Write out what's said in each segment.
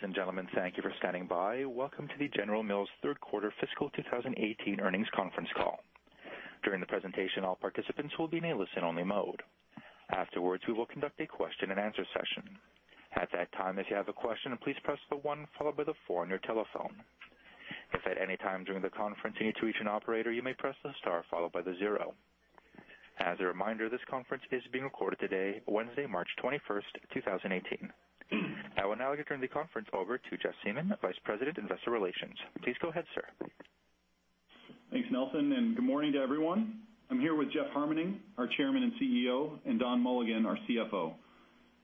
Ladies and gentlemen, thank you for standing by. Welcome to the General Mills third quarter fiscal 2018 earnings conference call. During the presentation, all participants will be in a listen-only mode. Afterwards, we will conduct a question-and-answer session. At that time, if you have a question, please press the one followed by the four on your telephone. If at any time during the conference you need to reach an operator, you may press the star followed by the zero. As a reminder, this conference is being recorded today, Wednesday, March 21st, 2018. I will now turn the conference over to Jeff Siemon, Vice President, Investor Relations. Please go ahead, sir. Thanks, Nelson, and good morning to everyone. I'm here with Jeff Harmening, our Chairman and CEO, and Don Mulligan, our CFO.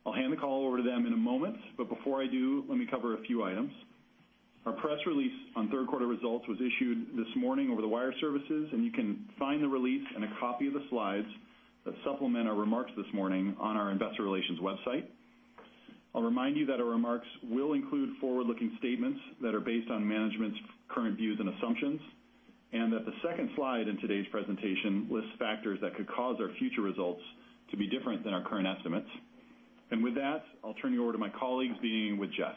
I'll hand the call over to them in a moment, but before I do, let me cover a few items. Our press release on third quarter results was issued this morning over the wire services, and you can find the release and a copy of the slides that supplement our remarks this morning on our investor relations website. I'll remind you that our remarks will include forward-looking statements that are based on management's current views and assumptions, and that the second slide in today's presentation lists factors that could cause our future results to be different than our current estimates. With that, I'll turn you over to my colleagues, beginning with Jeff.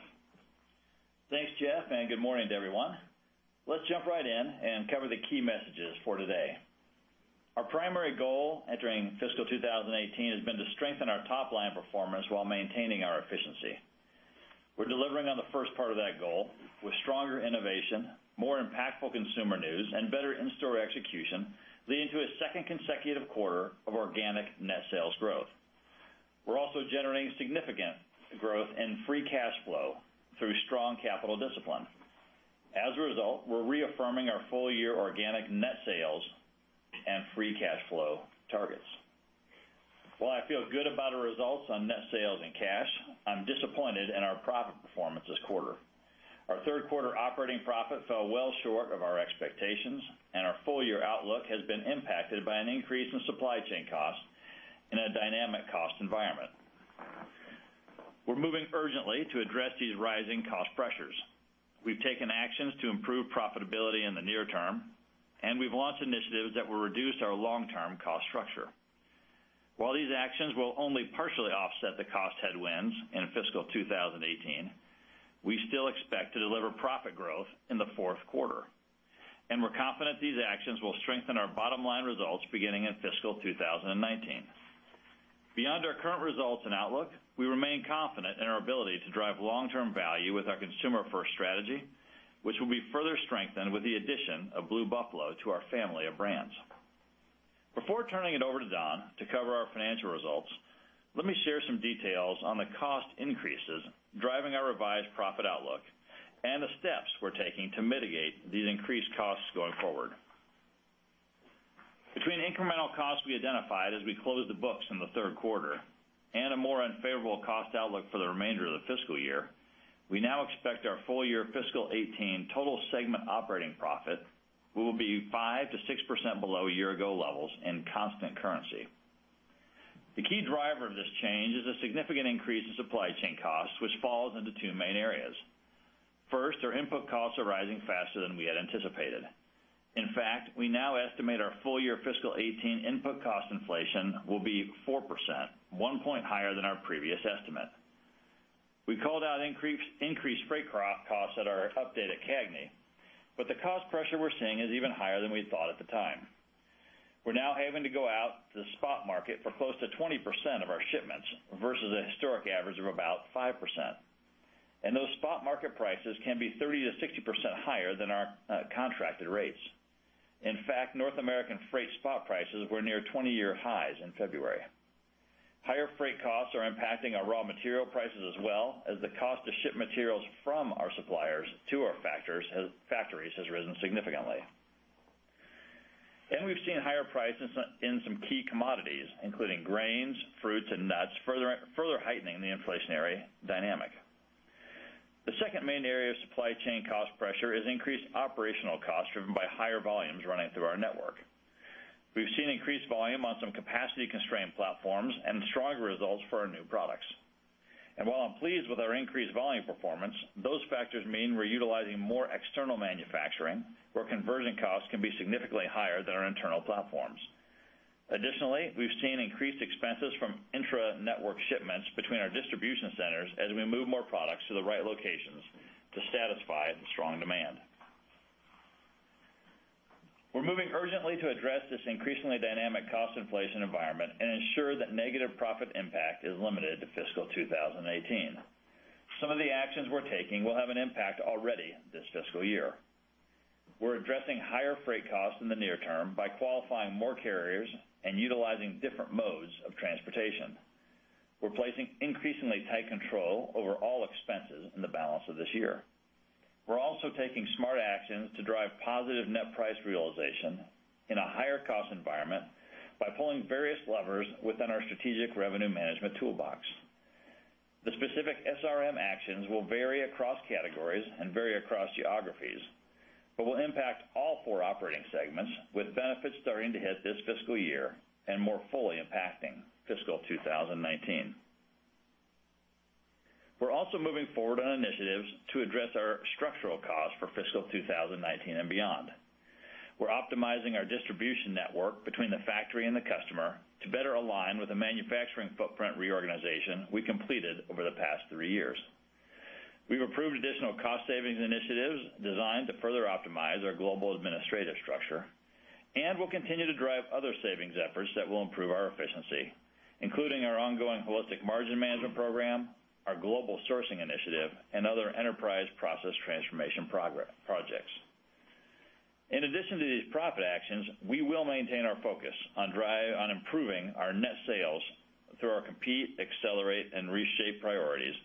Thanks, Jeff, and good morning to everyone. Let's jump right in and cover the key messages for today. Our primary goal entering fiscal 2018 has been to strengthen our top-line performance while maintaining our efficiency. We're delivering on the first part of that goal with stronger innovation, more impactful consumer news, and better in-store execution, leading to a second consecutive quarter of organic net sales growth. We're also generating significant growth in free cash flow through strong capital discipline. As a result, we're reaffirming our full-year organic net sales and free cash flow targets. While I feel good about our results on net sales and cash, I'm disappointed in our profit performance this quarter. Our third quarter operating profit fell well short of our expectations, and our full-year outlook has been impacted by an increase in supply chain costs in a dynamic cost environment. We're moving urgently to address these rising cost pressures. We've taken actions to improve profitability in the near term, and we've launched initiatives that will reduce our long-term cost structure. While these actions will only partially offset the cost headwinds in fiscal 2018, we still expect to deliver profit growth in the fourth quarter, and we're confident these actions will strengthen our bottom-line results beginning in fiscal 2019. Beyond our current results and outlook, we remain confident in our ability to drive long-term value with our Consumer First strategy, which will be further strengthened with the addition of Blue Buffalo to our family of brands. Before turning it over to Don to cover our financial results, let me share some details on the cost increases driving our revised profit outlook and the steps we're taking to mitigate these increased costs going forward. Between incremental costs we identified as we closed the books in the third quarter and a more unfavorable cost outlook for the remainder of the fiscal year, we now expect our full-year fiscal 2018 total segment operating profit will be 5%-6% below year-ago levels in constant currency. The key driver of this change is a significant increase in supply chain costs, which falls into two main areas. First, our input costs are rising faster than we had anticipated. In fact, we now estimate our full-year fiscal 2018 input cost inflation will be 4%, one point higher than our previous estimate. We called out increased freight costs at our update at CAGNY, but the cost pressure we're seeing is even higher than we thought at the time. We're now having to go out to the spot market for close to 20% of our shipments versus a historic average of about 5%. Those spot market prices can be 30%-60% higher than our contracted rates. In fact, North American freight spot prices were near 20-year highs in February. Higher freight costs are impacting our raw material prices as well, as the cost to ship materials from our suppliers to our factories has risen significantly. We've seen higher prices in some key commodities, including grains, fruits, and nuts, further heightening the inflationary dynamic. The second main area of supply chain cost pressure is increased operational costs driven by higher volumes running through our network. We've seen increased volume on some capacity-constrained platforms and stronger results for our new products. While I'm pleased with our increased volume performance, those factors mean we're utilizing more external manufacturing, where conversion costs can be significantly higher than our internal platforms. Additionally, we've seen increased expenses from intra-network shipments between our distribution centers as we move more products to the right locations to satisfy the strong demand. We're moving urgently to address this increasingly dynamic cost inflation environment and ensure that negative profit impact is limited to fiscal 2018. Some of the actions we're taking will have an impact already this fiscal year. We're addressing higher freight costs in the near term by qualifying more carriers and utilizing different modes of transportation. We're placing increasingly tight control over all expenses in the balance of this year. We're also taking smart actions to drive positive net price realization in a higher cost environment by pulling various levers within our strategic revenue management toolbox. The specific SRM actions will vary across categories and vary across geographies, but will impact all four operating segments, with benefits starting to hit this fiscal year and more fully impacting fiscal 2019. We're also moving forward on initiatives to address our structural costs for fiscal 2019 and beyond. We're optimizing our distribution network between the factory and the customer to better align with the manufacturing footprint reorganization we completed over the past three years. We've approved additional cost savings initiatives designed to further optimize our global administrative structure. We'll continue to drive other savings efforts that will improve our efficiency, including our ongoing holistic margin management program, our global sourcing initiative, and other enterprise process transformation projects. In addition to these profit actions, we will maintain our focus on improving our net sales through our compete, accelerate, and reshape priorities,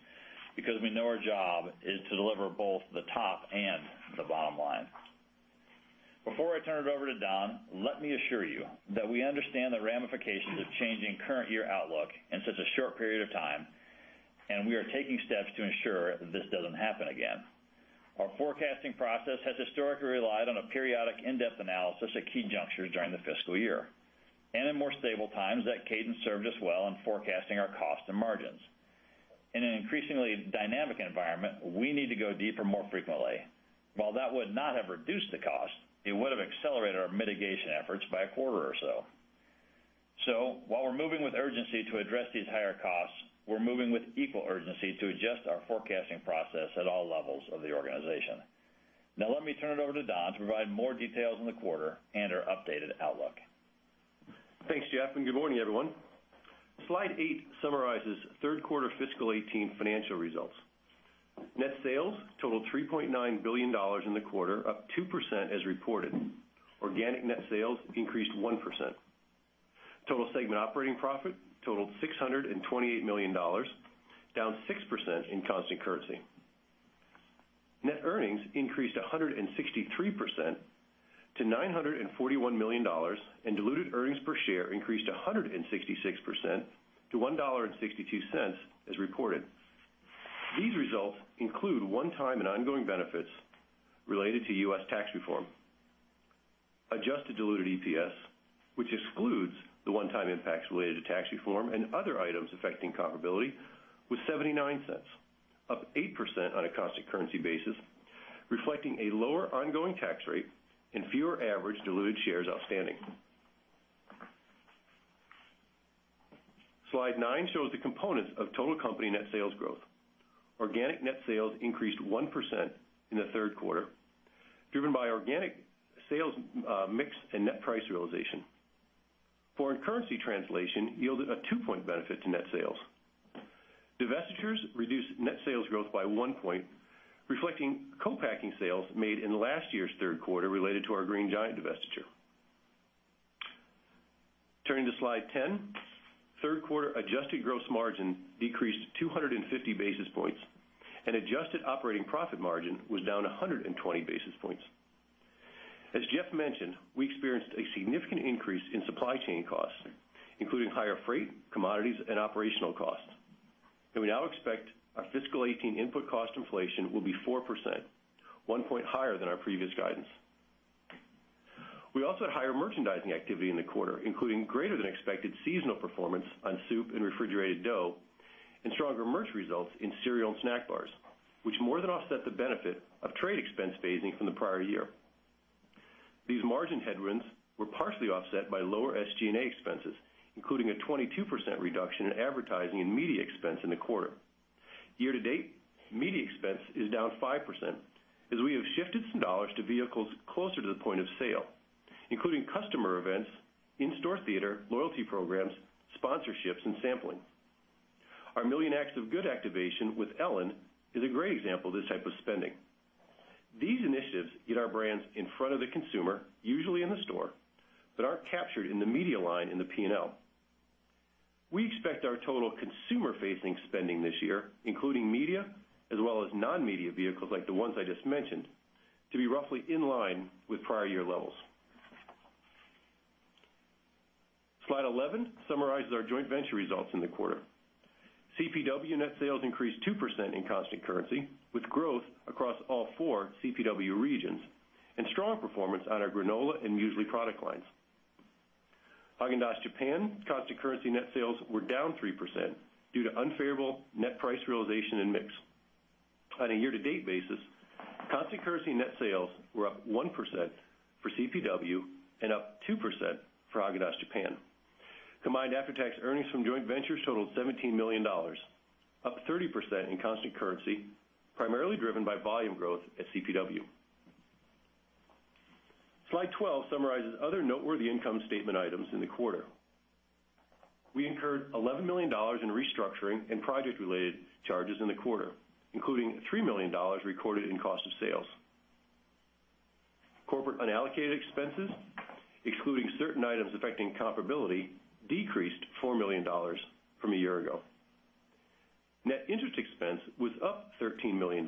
because we know our job is to deliver both the top and the bottom line. Before I turn it over to Don, let me assure you that we understand the ramifications of changing current year outlook in such a short period of time, and we are taking steps to ensure this doesn't happen again. Our forecasting process has historically relied on a periodic in-depth analysis at key junctures during the fiscal year. In more stable times, that cadence served us well in forecasting our costs and margins. In an increasingly dynamic environment, we need to go deeper more frequently. While that would not have reduced the cost, it would've accelerated our mitigation efforts by a quarter or so. While we're moving with urgency to address these higher costs, we're moving with equal urgency to adjust our forecasting process at all levels of the organization. Now, let me turn it over to Don to provide more details on the quarter and our updated outlook. Thanks, Jeff, and good morning, everyone. Slide eight summarizes third quarter fiscal 2018 financial results. Net sales totaled $3.9 billion in the quarter, up 2% as reported. Organic net sales increased 1%. Total segment operating profit totaled $628 million, down 6% in constant currency. Net earnings increased 163% to $941 million, and diluted earnings per share increased 166% to $1.62 as reported. These results include one-time and ongoing benefits related to U.S. tax reform. Adjusted diluted EPS, which excludes the one-time impacts related to tax reform and other items affecting comparability, was $0.79, up 8% on a constant currency basis, reflecting a lower ongoing tax rate and fewer average diluted shares outstanding. Slide nine shows the components of total company net sales growth. Organic net sales increased 1% in the third quarter, driven by organic sales mix and net price realization. Foreign currency translation yielded a two-point benefit to net sales. Divestitures reduced net sales growth by one point, reflecting co-packing sales made in last year's third quarter related to our Green Giant divestiture. Turning to Slide 10, third quarter adjusted gross margin decreased 250 basis points, and adjusted operating profit margin was down 120 basis points. As Jeff mentioned, we experienced a significant increase in supply chain costs, including higher freight, commodities, and operational costs. We now expect our fiscal 2018 input cost inflation will be 4%, one point higher than our previous guidance. We also had higher merchandising activity in the quarter, including greater than expected seasonal performance on soup and refrigerated dough, and stronger merch results in cereal and snack bars, which more than offset the benefit of trade expense phasing from the prior year. These margin headwinds were partially offset by lower SG&A expenses, including a 22% reduction in advertising and media expense in the quarter. Year to date, media expense is down 5%, as we have shifted some dollars to vehicles closer to the point of sale, including customer events, in-store theater, loyalty programs, sponsorships, and sampling. Our Million Acts of Good activation with Ellen is a great example of this type of spending. These initiatives get our brands in front of the consumer, usually in the store, but aren't captured in the media line in the P&L. We expect our total consumer-facing spending this year, including media as well as non-media vehicles like the ones I just mentioned, to be roughly in line with prior year levels. Slide 11 summarizes our joint venture results in the quarter. CPW net sales increased 2% in constant currency, with growth across all four CPW regions and strong performance on our granola and Mueslix product lines. Häagen-Dazs Japan constant currency net sales were down 3% due to unfavorable net price realization and mix. On a year to date basis, constant currency net sales were up 1% for CPW and up 2% for Häagen-Dazs Japan. Combined after-tax earnings from joint ventures totaled $17 million, up 30% in constant currency, primarily driven by volume growth at CPW. Slide 12 summarizes other noteworthy income statement items in the quarter. We incurred $11 million in restructuring and project-related charges in the quarter, including $3 million recorded in cost of sales. Corporate unallocated expenses, excluding certain items affecting comparability, decreased $4 million from a year ago. Net interest expense was up $13 million,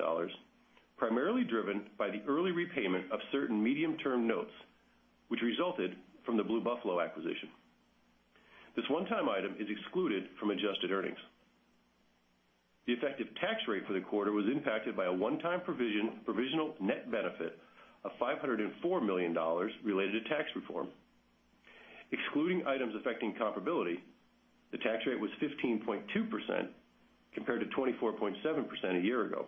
primarily driven by the early repayment of certain medium-term notes, which resulted from the Blue Buffalo acquisition. This one-time item is excluded from adjusted earnings. The effective tax rate for the quarter was impacted by a one-time provisional net benefit of $504 million related to tax reform. Excluding items affecting comparability, the tax rate was 15.2% compared to 24.7% a year ago,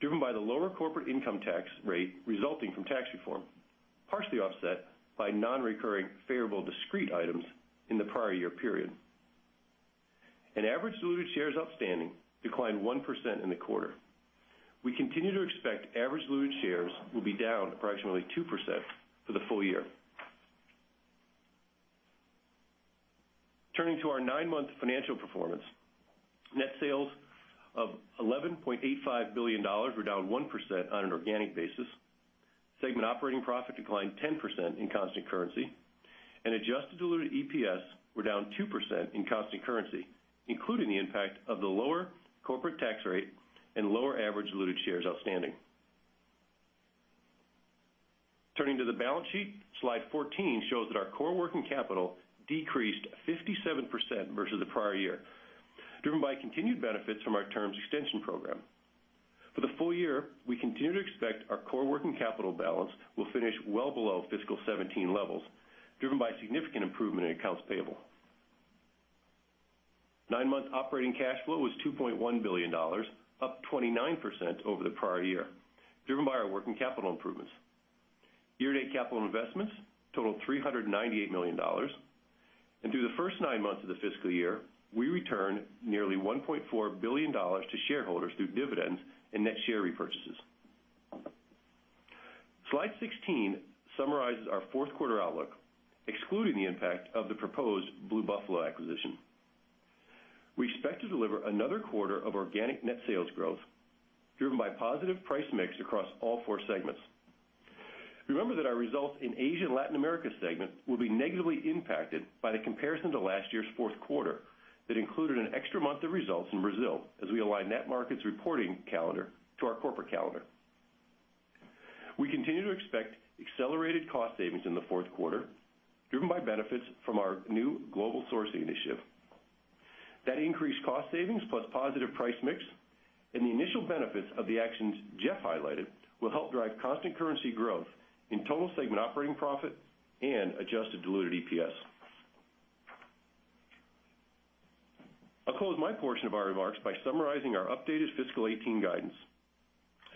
driven by the lower corporate income tax rate resulting from tax reform, partially offset by non-recurring favorable discrete items in the prior year period. Average diluted shares outstanding declined 1% in the quarter. We continue to expect average diluted shares will be down approximately 2% for the full year. Turning to our nine-month financial performance, net sales of $11.85 billion were down 1% on an organic basis. Segment operating profit declined 10% in constant currency, and adjusted diluted EPS were down 2% in constant currency, including the impact of the lower corporate tax rate and lower average diluted shares outstanding. Turning to the balance sheet, slide 14 shows that our core working capital decreased 57% versus the prior year, driven by continued benefits from our terms extension program. For the full year, we continue to expect our core working capital balance will finish well below fiscal 2017 levels, driven by significant improvement in accounts payable. Nine-month operating cash flow was $2.1 billion, up 29% over the prior year, driven by our working capital improvements. Year-to-date capital investments totaled $398 million, and through the first nine months of the fiscal year, we returned nearly $1.4 billion to shareholders through dividends and net share repurchases. Slide 16 summarizes our fourth quarter outlook, excluding the impact of the proposed Blue Buffalo acquisition. We expect to deliver another quarter of organic net sales growth driven by positive price mix across all four segments. Remember that our results in Asia and Latin America segment will be negatively impacted by the comparison to last year's fourth quarter that included an extra month of results in Brazil as we align net markets reporting calendar to our corporate calendar. We continue to expect accelerated cost savings in the fourth quarter, driven by benefits from our new global sourcing initiative. That increased cost savings plus positive price mix and the initial benefits of the actions Jeff highlighted will help drive constant currency growth in total segment operating profit and adjusted diluted EPS. I'll close my portion of our remarks by summarizing our updated fiscal 2018 guidance.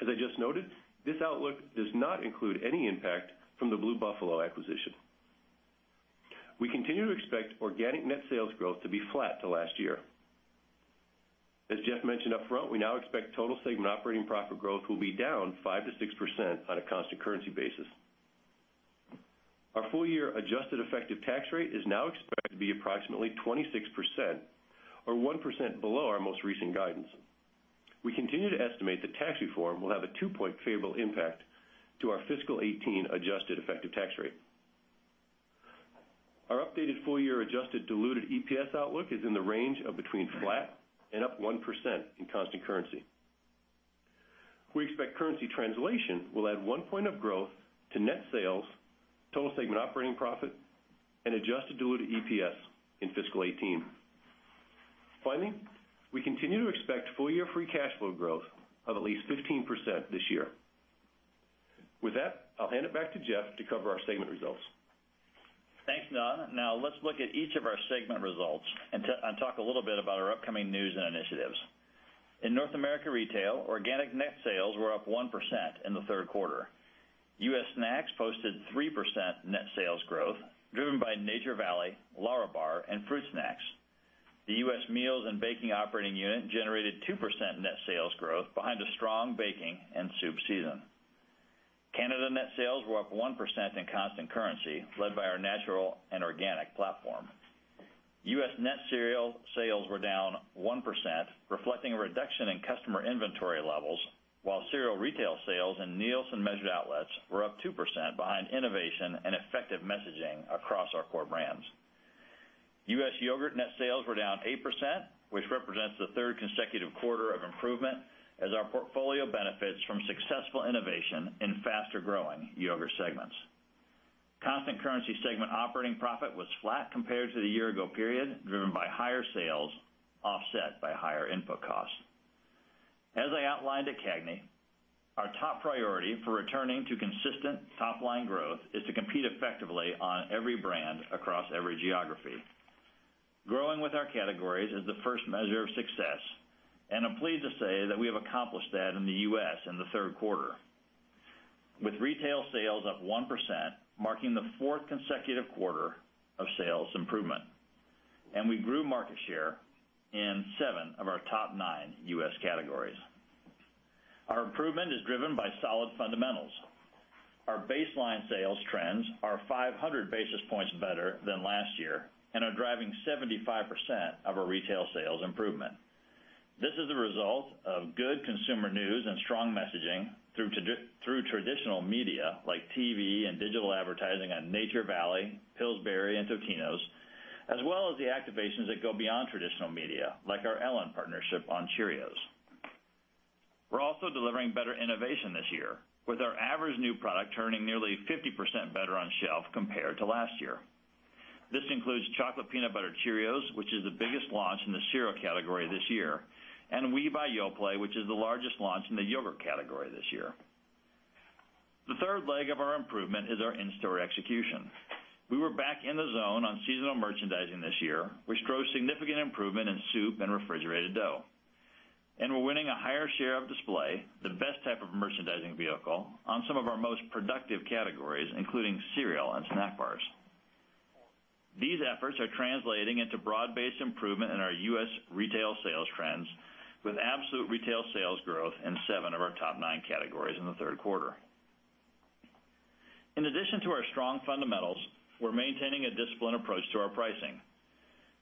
As I just noted, this outlook does not include any impact from the Blue Buffalo acquisition. We continue to expect organic net sales growth to be flat to last year. As Jeff mentioned upfront, we now expect total segment operating profit growth will be down 5%-6% on a constant currency basis. Our full-year adjusted effective tax rate is now expected to be approximately 26%, or 1% below our most recent guidance. We continue to estimate that tax reform will have a two-point favorable impact to our fiscal 2018 adjusted effective tax rate. Our updated full-year adjusted diluted EPS outlook is in the range of between flat and up 1% in constant currency. We expect currency translation will add one point of growth to net sales, total segment operating profit, and adjusted diluted EPS in fiscal 2018. Finally, we continue to expect full-year free cash flow growth of at least 15% this year. With that, I'll hand it back to Jeff to cover our segment results. Thanks, Don. Now let's look at each of our segment results and talk a little bit about our upcoming news and initiatives. In North America Retail, organic net sales were up 1% in the third quarter. U.S. Snacks posted 3% net sales growth driven by Nature Valley, LÄRABAR, and fruit snacks. The U.S. Meals and Baking operating unit generated 2% net sales growth behind a strong baking and soup season. Canada net sales were up 1% in constant currency, led by our natural and organic platform. U.S. net cereal sales were down 1%, reflecting a reduction in customer inventory levels, while cereal retail sales in Nielsen measured outlets were up 2% behind innovation and effective messaging across our core brands. U.S. yogurt net sales were down 8%, which represents the third consecutive quarter of improvement as our portfolio benefits from successful innovation in faster-growing yogurt segments. Constant currency segment operating profit was flat compared to the year ago period, driven by higher sales, offset by higher input costs. As I outlined at CAGNY, our top priority for returning to consistent top-line growth is to compete effectively on every brand across every geography. Growing with our categories is the first measure of success, and I'm pleased to say that we have accomplished that in the U.S. in the third quarter, with retail sales up 1%, marking the fourth consecutive quarter of sales improvement, and we grew market share in seven of our top nine U.S. categories. Our improvement is driven by solid fundamentals. Our baseline sales trends are 500 basis points better than last year and are driving 75% of our retail sales improvement. This is a result of good consumer news and strong messaging through traditional media like TV and digital advertising on Nature Valley, Pillsbury, and Totino's, as well as the activations that go beyond traditional media, like our Ellen partnership on Cheerios. We're also delivering better innovation this year with our average new product turning nearly 50% better on shelf compared to last year. This includes Chocolate Peanut Butter Cheerios, which is the biggest launch in the cereal category this year, and Oui by Yoplait, which is the largest launch in the yogurt category this year. The third leg of our improvement is our in-store execution. We were back in the zone on seasonal merchandising this year, which drove significant improvement in soup and refrigerated dough. We're winning a higher share of display, the best type of merchandising vehicle, on some of our most productive categories, including cereal and snack bars. These efforts are translating into broad-based improvement in our U.S. retail sales trends, with absolute retail sales growth in seven of our top nine categories in the third quarter. In addition to our strong fundamentals, we're maintaining a disciplined approach to our pricing.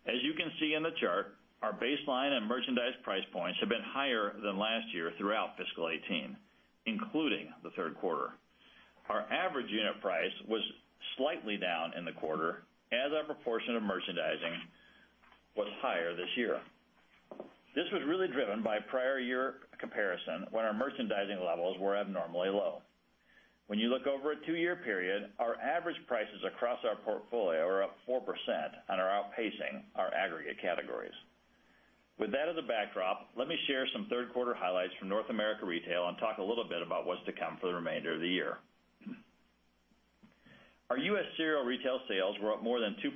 As you can see in the chart, our baseline and merchandise price points have been higher than last year throughout fiscal 2018, including the third quarter. Our average unit price was slightly down in the quarter as our proportion of merchandising was higher this year. This was really driven by prior year comparison when our merchandising levels were abnormally low. When you look over a two-year period, our average prices across our portfolio are up 4% and are outpacing our aggregate categories. With that as a backdrop, let me share some third quarter highlights from North America retail and talk a little bit about what's to come for the remainder of the year. Our U.S. cereal retail sales were up more than 2%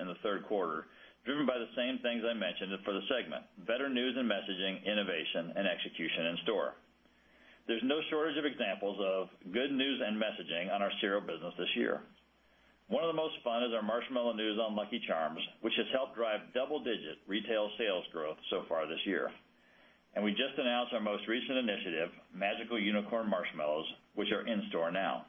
in the third quarter, driven by the same things I mentioned for the segment, better news and messaging, innovation, and execution in store. There's no shortage of examples of good news and messaging on our cereal business this year. One of the most fun is our marshmallow news on Lucky Charms, which has helped drive double-digit retail sales growth so far this year. We just announced our most recent initiative, Magical Unicorn Marshmallows, which are in store now.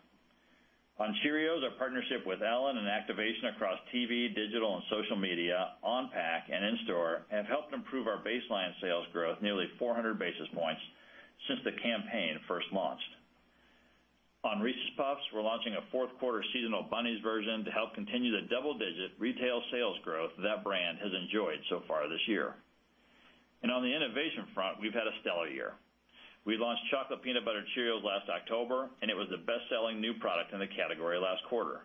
On Cheerios, our partnership with Ellen and activation across TV, digital, and social media, on pack, and in store have helped improve our baseline sales growth nearly 400 basis points since the campaign first launched. On Reese's Puffs, we're launching a fourth quarter seasonal bunnies version to help continue the double-digit retail sales growth that brand has enjoyed so far this year. On the innovation front, we've had a stellar year. We launched Chocolate Peanut Butter Cheerios last October, and it was the best-selling new product in the category last quarter.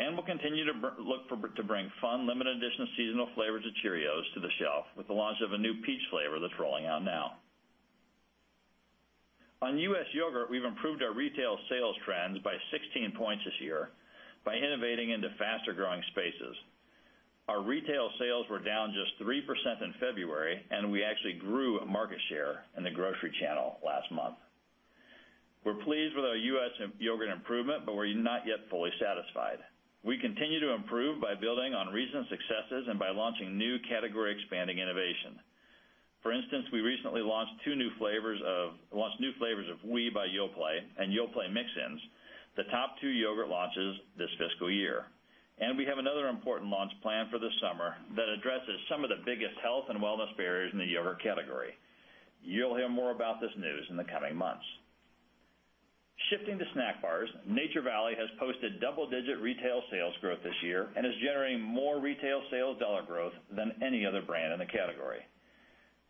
We'll continue to look to bring fun limited edition seasonal flavors of Cheerios to the shelf with the launch of a new peach flavor that's rolling out now. On U.S. yogurt, we've improved our retail sales trends by 16 points this year by innovating into faster-growing spaces. Our retail sales were down just 3% in February, and we actually grew market share in the grocery channel last month. We're pleased with our U.S. yogurt improvement, we're not yet fully satisfied. We continue to improve by building on recent successes and by launching new category expanding innovation. For instance, we recently launched new flavors of Oui by Yoplait and Yoplait Mix-Ins, the top two yogurt launches this fiscal year. We have another important launch plan for this summer that addresses some of the biggest health and wellness barriers in the yogurt category. You'll hear more about this news in the coming months. Shifting to snack bars, Nature Valley has posted double-digit retail sales growth this year and is generating more retail sales dollar growth than any other brand in the category.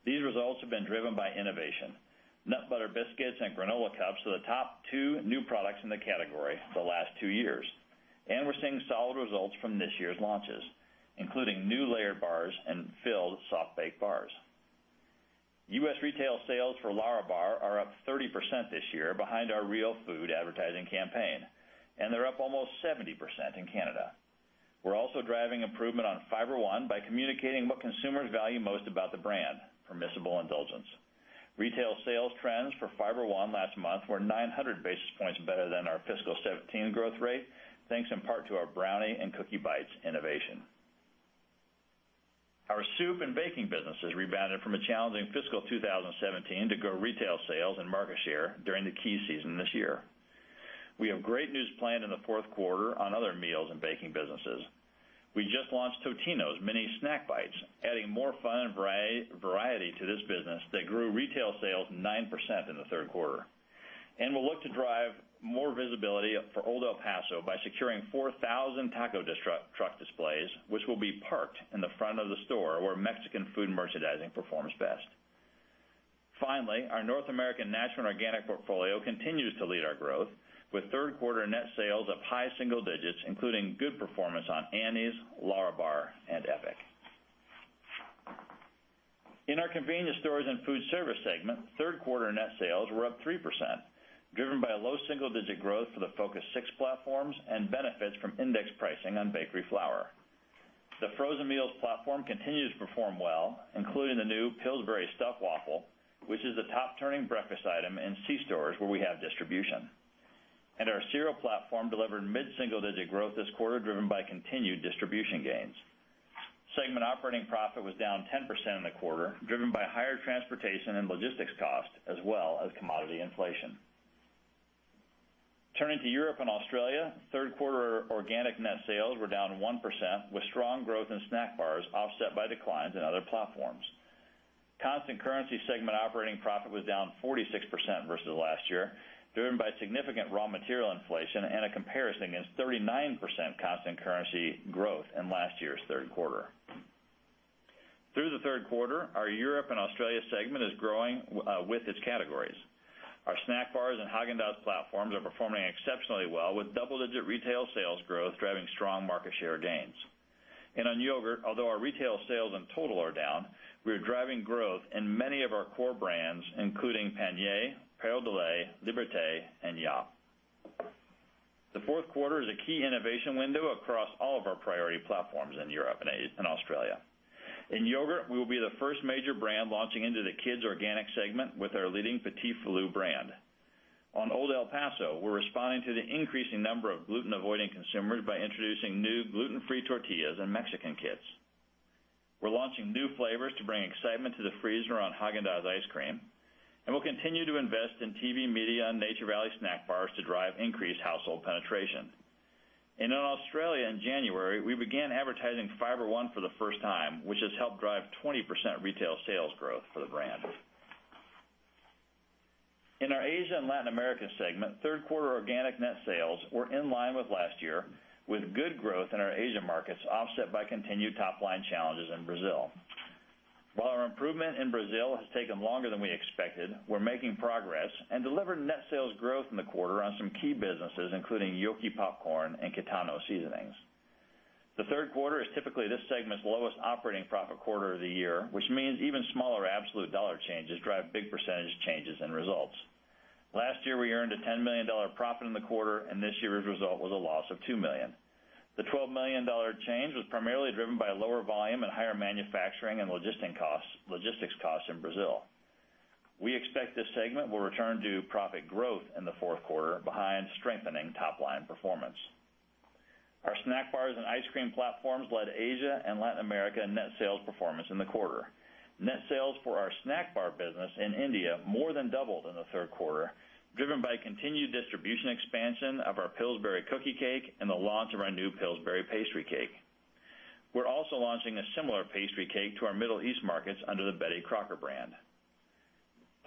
These results have been driven by innovation. Nut Butter Biscuits and Granola Cups are the top two new products in the category for the last two years, we're seeing solid results from this year's launches, including new layered bars and filled soft-baked bars. U.S. retail sales for LÄRABAR are up 30% this year behind our Real Food advertising campaign, they're up almost 70% in Canada. We're also driving improvement on Fiber One by communicating what consumers value most about the brand, permissible indulgence. Retail sales trends for Fiber One last month were 900 basis points better than our fiscal 2017 growth rate, thanks in part to our Brownie and Cookie Bites innovation. Our soup and baking businesses rebounded from a challenging fiscal 2017 to grow retail sales and market share during the key season this year. We have great news planned in the fourth quarter on other meals and baking businesses. We just launched Totino's Mini Snack Bites, adding more fun and variety to this business that grew retail sales 9% in the third quarter. We'll look to drive more visibility for Old El Paso by securing 4,000 taco truck displays, which will be parked in the front of the store where Mexican food merchandising performs best. Finally, our North American natural and organic portfolio continues to lead our growth with third quarter net sales of high single digits, including good performance on Annie's, LÄRABAR, and EPIC. In our convenience stores and food service segment, third quarter net sales were up 3%, driven by a low single-digit growth for the Focus 6 platforms and benefits from index pricing on bakery flour. The frozen meals platform continues to perform well, including the new Pillsbury Stuffed Waffle, which is the top turning breakfast item in C-stores where we have distribution. Our cereal platform delivered mid-single-digit growth this quarter, driven by continued distribution gains. Segment operating profit was down 10% in the quarter, driven by higher transportation and logistics costs, as well as commodity inflation. Turning to Europe and Australia, third quarter organic net sales were down 1%, with strong growth in snack bars offset by declines in other platforms. Constant currency segment operating profit was down 46% versus last year, driven by significant raw material inflation and a comparison against 39% constant currency growth in last year's third quarter. Through the third quarter, our Europe and Australia segment is growing with its categories. Our snack bars and Häagen-Dazs platforms are performing exceptionally well with double-digit retail sales growth driving strong market share gains. On yogurt, although our retail sales in total are down, we are driving growth in many of our core brands, including Panier, Perle de Lait, Liberté, and Yop. The fourth quarter is a key innovation window across all of our priority platforms in Europe and Australia. In yogurt, we will be the first major brand launching into the kids' organic segment with our leading Petits Filous brand. On Old El Paso, we're responding to the increasing number of gluten-avoiding consumers by introducing new gluten-free tortillas and Mexican kits. We're launching new flavors to bring excitement to the freezer on Häagen-Dazs ice cream, and we'll continue to invest in TV media and Nature Valley snack bars to drive increased household penetration. In Australia in January, we began advertising Fiber One for the first time, which has helped drive 20% retail sales growth for the brand. In our Asia and Latin America segment, third quarter organic net sales were in line with last year, with good growth in our Asia markets, offset by continued top-line challenges in Brazil. While our improvement in Brazil has taken longer than we expected, we're making progress and delivered net sales growth in the quarter on some key businesses, including Yoki Popcorn and Kitano Seasonings. The third quarter is typically this segment's lowest operating profit quarter of the year, which means even smaller absolute dollar changes drive big percentage changes in results. Last year, we earned a $10 million profit in the quarter, and this year's result was a loss of $2 million. The $12 million change was primarily driven by lower volume and higher manufacturing and logistics costs in Brazil. We expect this segment will return to profit growth in the fourth quarter behind strengthening top-line performance. Our snack bars and ice cream platforms led Asia and Latin America net sales performance in the quarter. Net sales for our snack bar business in India more than doubled in the third quarter, driven by continued distribution expansion of our Pillsbury cookie cake and the launch of our new Pillsbury pastry cake. We're also launching a similar pastry cake to our Middle East markets under the Betty Crocker brand.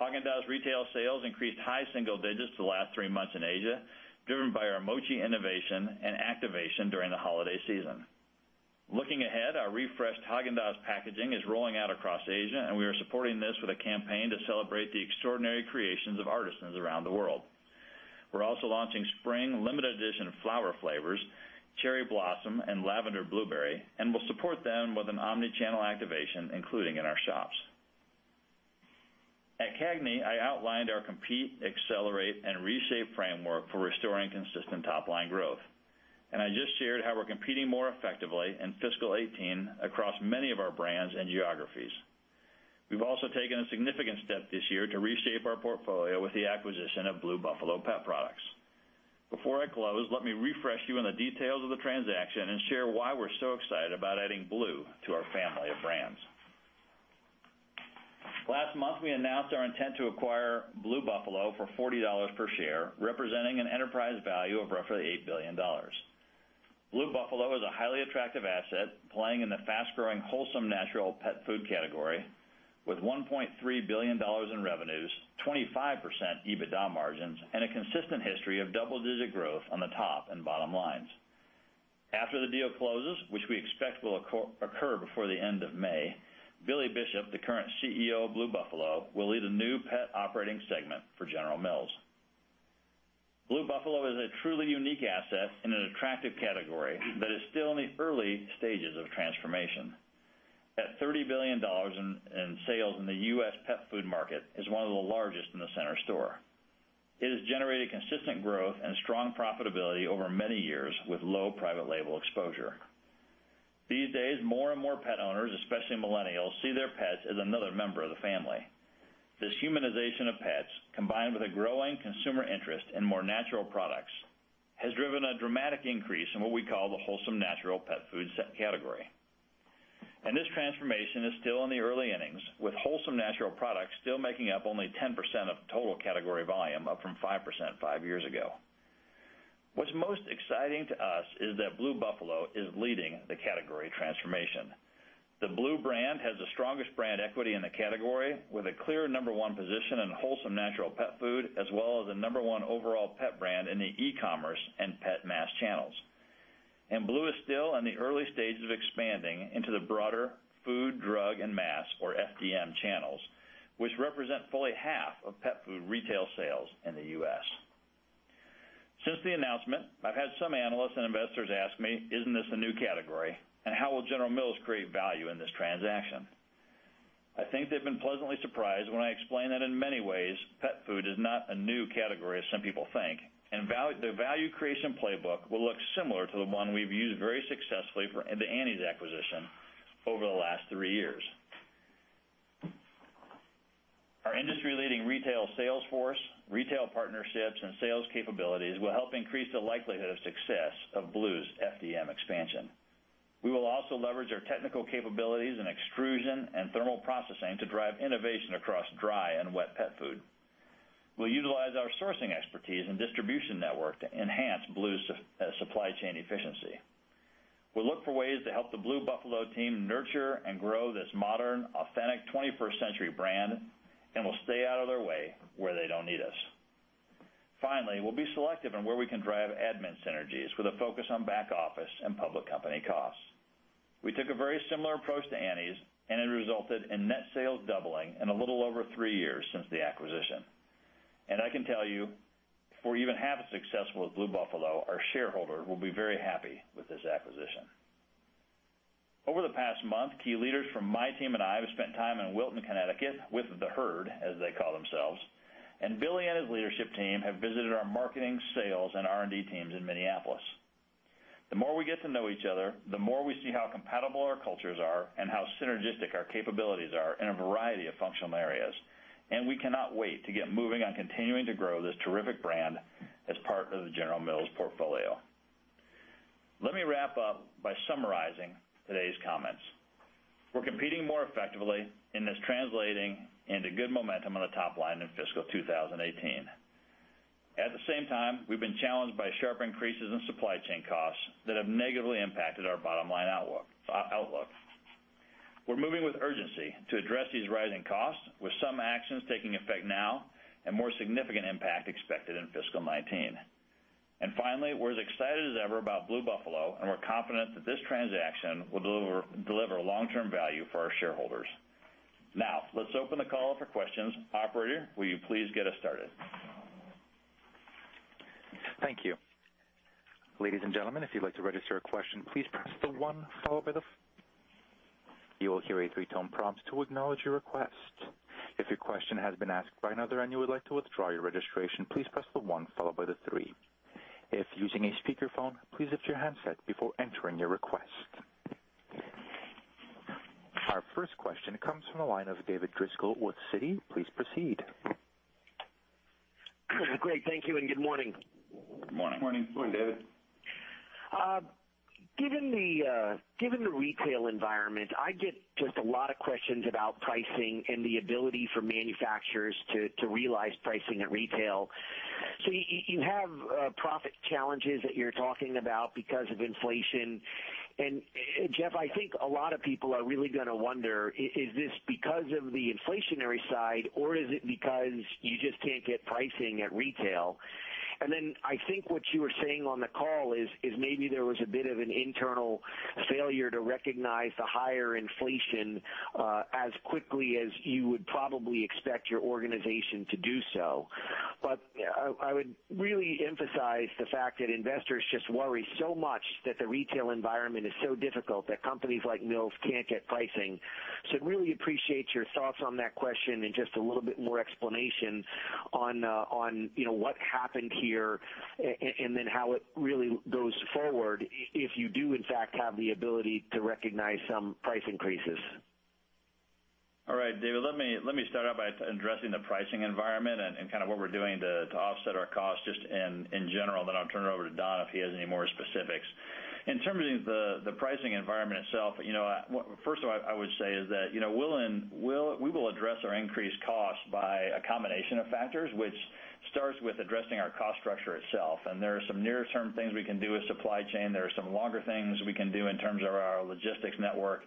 Häagen-Dazs retail sales increased high single digits the last three months in Asia, driven by our mochi innovation and activation during the holiday season. Looking ahead, our refreshed Häagen-Dazs packaging is rolling out across Asia, and we are supporting this with a campaign to celebrate the extraordinary creations of artisans around the world. We're also launching spring limited edition flower flavors, Cherry Blossom and Lavender Blueberry, and will support them with an omni-channel activation, including in our shops. At CAGNY, I outlined our compete, accelerate, and reshape framework for restoring consistent top-line growth. I just shared how we're competing more effectively in fiscal 2018 across many of our brands and geographies. We've also taken a significant step this year to reshape our portfolio with the acquisition of Blue Buffalo Pet Products. Before I close, let me refresh you on the details of the transaction and share why we're so excited about adding Blue to our family of brands. Last month, we announced our intent to acquire Blue Buffalo for $40 per share, representing an enterprise value of roughly $8 billion. Blue Buffalo is a highly attractive asset playing in the fast-growing, wholesome natural pet food category with $1.3 billion in revenues, 25% EBITDA margins, and a consistent history of double-digit growth on the top and bottom lines. After the deal closes, which we expect will occur before the end of May, Billy Bishop, the current CEO of Blue Buffalo, will lead a new pet operating segment for General Mills. Blue Buffalo is a truly unique asset in an attractive category that is still in the early stages of transformation. At $30 billion in sales in the U.S. pet food market, it's one of the largest in the center store. It has generated consistent growth and strong profitability over many years with low private label exposure. These days, more and more pet owners, especially millennials, see their pets as another member of the family. This humanization of pets, combined with a growing consumer interest in more natural products, has driven a dramatic increase in what we call the wholesome natural pet food category. This transformation is still in the early innings, with wholesome natural products still making up only 10% of total category volume, up from 5% five years ago. What's most exciting to us is that Blue Buffalo is leading the category transformation. The Blue brand has the strongest brand equity in the category, with a clear number one position in wholesome natural pet food, as well as the number one overall pet brand in the e-commerce and pet mass channels. Blue is still in the early stages of expanding into the broader food, drug, and mass, or FDM channels, which represent fully half of pet food retail sales in the U.S. Since the announcement, I've had some analysts and investors ask me, "Isn't this a new category?" "How will General Mills create value in this transaction?" I think they've been pleasantly surprised when I explain that in many ways, pet food is not a new category as some people think, and the value creation playbook will look similar to the one we've used very successfully for the Annie's acquisition over the last three years. Our industry-leading retail sales force, retail partnerships, and sales capabilities will help increase the likelihood of success of Blue's FDM expansion. We will also leverage our technical capabilities in extrusion and thermal processing to drive innovation across dry and wet pet food. We'll utilize our sourcing expertise and distribution network to enhance Blue's supply chain efficiency. We'll look for ways to help the Blue Buffalo team nurture and grow this modern, authentic 21st-century brand. We'll stay out of their way where they don't need us. Finally, we'll be selective in where we can drive admin synergies with a focus on back office and public company costs. We took a very similar approach to Annie's. It resulted in net sales doubling in a little over three years since the acquisition. I can tell you, if we're even half as successful as Blue Buffalo, our shareholders will be very happy with this acquisition. Over the past month, key leaders from my team and I have spent time in Wilton, Connecticut, with the Herd, as they call themselves, and Billy and his leadership team have visited our marketing, sales, and R&D teams in Minneapolis. The more we get to know each other, the more we see how compatible our cultures are and how synergistic our capabilities are in a variety of functional areas. We cannot wait to get moving on continuing to grow this terrific brand as part of the General Mills portfolio. Let me wrap up by summarizing today's comments. We're competing more effectively and it's translating into good momentum on the top line in fiscal 2018. At the same time, we've been challenged by sharp increases in supply chain costs that have negatively impacted our bottom line outlook. We're moving with urgency to address these rising costs, with some actions taking effect now and more significant impact expected in fiscal 2019. Finally, we're as excited as ever about Blue Buffalo, and we're confident that this transaction will deliver long-term value for our shareholders. Now, let's open the call for questions. Operator, will you please get us started? Thank you. Ladies and gentlemen, if you'd like to register a question, please press the one followed by the [four]. You will hear a three-tone prompt to acknowledge your request. If your question has been asked by another and you would like to withdraw your registration, please press the one followed by the three. If using a speakerphone, please lift your handset before entering your request. Our first question comes from the line of David Driscoll with Citi. Please proceed. Great, thank you. Good morning. Good morning. Morning. Morning, David. Given the retail environment, I get just a lot of questions about pricing and the ability for manufacturers to realize pricing at retail. You have profit challenges that you're talking about because of inflation. Jeff, I think a lot of people are really going to wonder, is this because of the inflationary side, or is it because you just can't get pricing at retail? Then I think what you were saying on the call is maybe there was a bit of an internal failure to recognize the higher inflation as quickly as you would probably expect your organization to do so. I would really emphasize the fact that investors just worry so much that the retail environment is so difficult that companies like Mills can't get pricing. I'd really appreciate your thoughts on that question and just a little bit more explanation on what happened here and then how it really goes forward if you do in fact have the ability to recognize some price increases. All right, David, let me start out by addressing the pricing environment and what we're doing to offset our costs just in general, then I'll turn it over to Don if he has any more specifics. In terms of the pricing environment itself, first of all, I would say is that we will address our increased cost by a combination of factors, which starts with addressing our cost structure itself, and there are some near-term things we can do with supply chain. There are some longer things we can do in terms of our logistics network.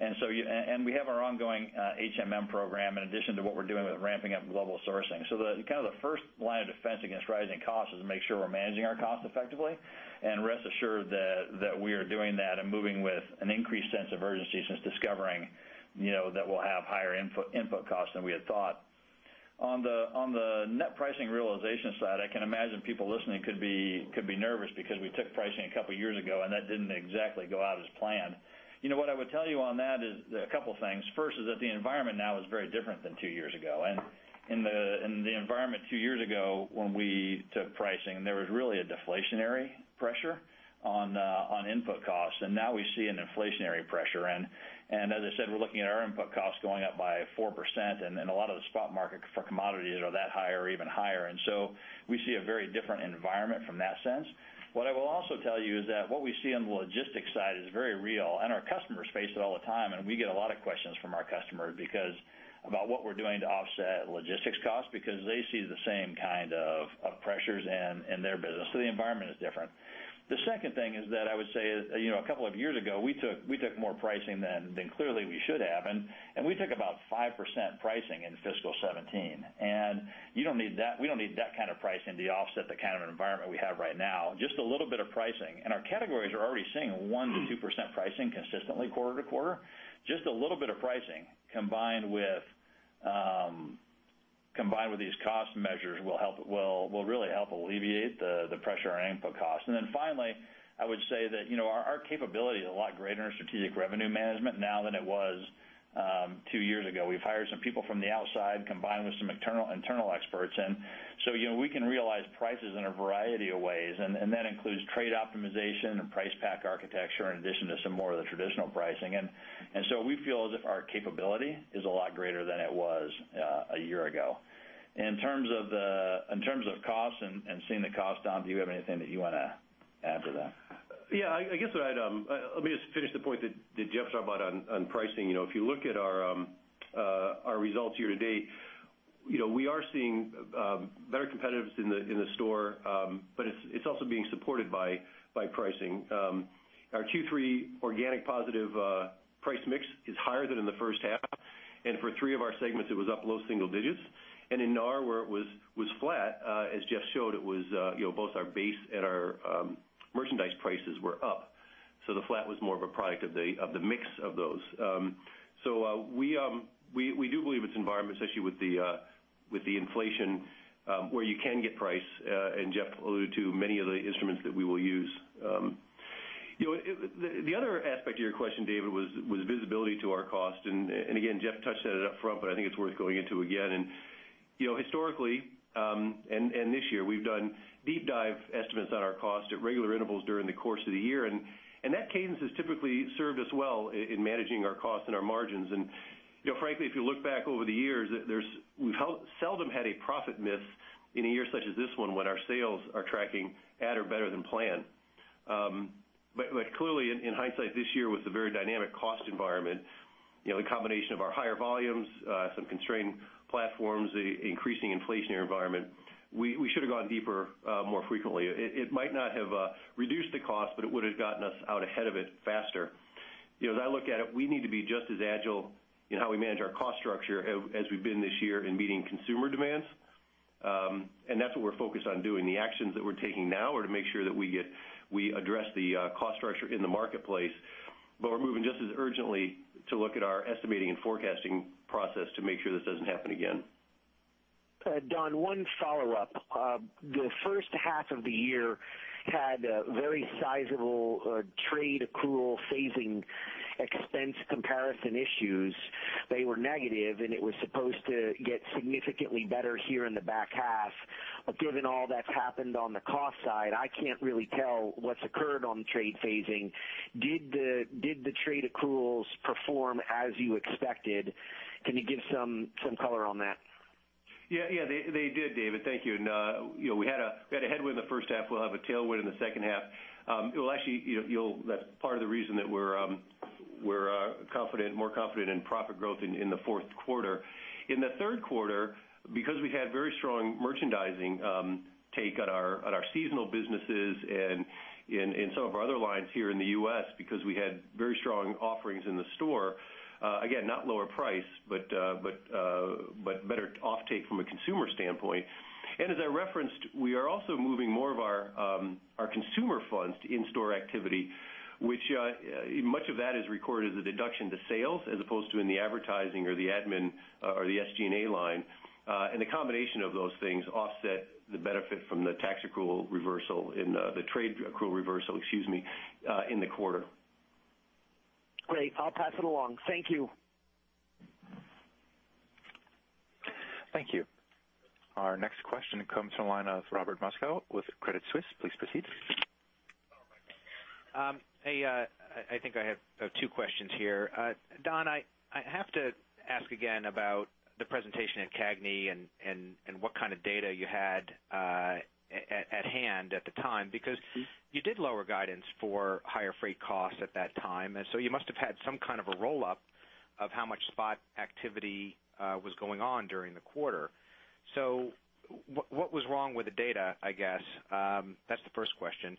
We have our ongoing HMM program, in addition to what we're doing with ramping up global sourcing. The first line of defense against rising costs is to make sure we're managing our costs effectively, and rest assured that we are doing that and moving with an increased sense of urgency since discovering that we'll have higher input costs than we had thought. On the net pricing realization side, I can imagine people listening could be nervous because we took pricing a couple of years ago, and that didn't exactly go out as planned. What I would tell you on that is a couple of things. First is that the environment now is very different than two years ago. In the environment two years ago when we took pricing, there was really a deflationary pressure on input costs. Now we see an inflationary pressure in. As I said, we're looking at our input costs going up by 4%, and a lot of the spot market for commodities are that high or even higher. We see a very different environment from that sense. What I will also tell you is that what we see on the logistics side is very real, and our customers face it all the time, and we get a lot of questions from our customers about what we're doing to offset logistics costs because they see the same kind of pressures in their business. The environment is different. The second thing is that I would say is, a couple of years ago, we took more pricing than clearly we should have, and we took about 5% pricing in fiscal 2017. We don't need that kind of pricing to offset the kind of environment we have right now. Just a little bit of pricing. Our categories are already seeing 1%-2% pricing consistently quarter-to-quarter. Just a little bit of pricing combined with these cost measures will really help alleviate the pressure on input costs. Finally, I would say that our capability is a lot greater in our strategic revenue management now than it was two years ago. We've hired some people from the outside, combined with some internal experts in. We can realize prices in a variety of ways, and that includes trade optimization and price pack architecture, in addition to some more of the traditional pricing. We feel as if our capability is a lot greater than it was a year ago. In terms of costs and seeing the cost, Don, do you have anything that you want to add to that? I guess let me just finish the point that Jeff talked about on pricing. If you look at our results year-to-date, we are seeing better competitiveness in the store, but it's also being supported by pricing. Our Q3 organic positive price mix is higher than in the first half, and for three of our segments, it was up low single digits. In R where it was flat, as Jeff showed, both our base and our merchandise prices were up. The flat was more of a product of the mix of those. We do believe it's an environment issue with the inflation where you can get price, and Jeff alluded to many of the instruments that we will use. The other aspect of your question, David, was visibility to our cost. Again, Jeff touched on it upfront, but I think it's worth going into again. Historically, this year, we've done deep dive estimates on our cost at regular intervals during the course of the year. That cadence has typically served us well in managing our costs and our margins. Frankly, if you look back over the years, we've seldom had a profit miss in a year such as this one when our sales are tracking at or better than planned. Clearly, in hindsight, this year was a very dynamic cost environment. The combination of our higher volumes, some constrained platforms, the increasing inflationary environment, we should have gone deeper more frequently. It might not have reduced the cost, but it would've gotten us out ahead of it faster. As I look at it, we need to be just as agile in how we manage our cost structure as we've been this year in meeting consumer demands. That's what we're focused on doing. The actions that we're taking now are to make sure that we address the cost structure in the marketplace, but we're moving just as urgently to look at our estimating and forecasting process to make sure this doesn't happen again. Don, one follow-up. The first half of the year had a very sizable trade accrual phasing expense comparison issues. They were negative, and it was supposed to get significantly better here in the back half. Given all that's happened on the cost side, I can't really tell what's occurred on the trade phasing. Did the trade accruals perform as you expected? Can you give some color on that? Yeah, they did, David. Thank you. We had a headwind the first half. We'll have a tailwind in the second half. Well, actually, that's part of the reason that we're more confident in profit growth in the fourth quarter. In the third quarter, because we had very strong merchandising take at our seasonal businesses and in some of our other lines here in the U.S. because we had very strong offerings in the store. Again, not lower price, but better offtake from a consumer standpoint. As I referenced, we are also moving more of our consumer funds to in-store activity, which much of that is recorded as a deduction to sales as opposed to in the advertising or the admin, or the SG&A line. The combination of those things offset the benefit from the tax accrual reversal and the trade accrual reversal, excuse me, in the quarter. Great. I'll pass it along. Thank you. Thank you. Our next question comes from the line of Robert Moskow with Credit Suisse. Please proceed. Hi. I think I have two questions here. Don, I have to ask again about the presentation at CAGNY and what kind of data you had at hand at the time because you did lower guidance for higher freight costs at that time. You must have had some kind of a roll-up of how much spot activity was going on during the quarter. What was wrong with the data, I guess? That's the first question.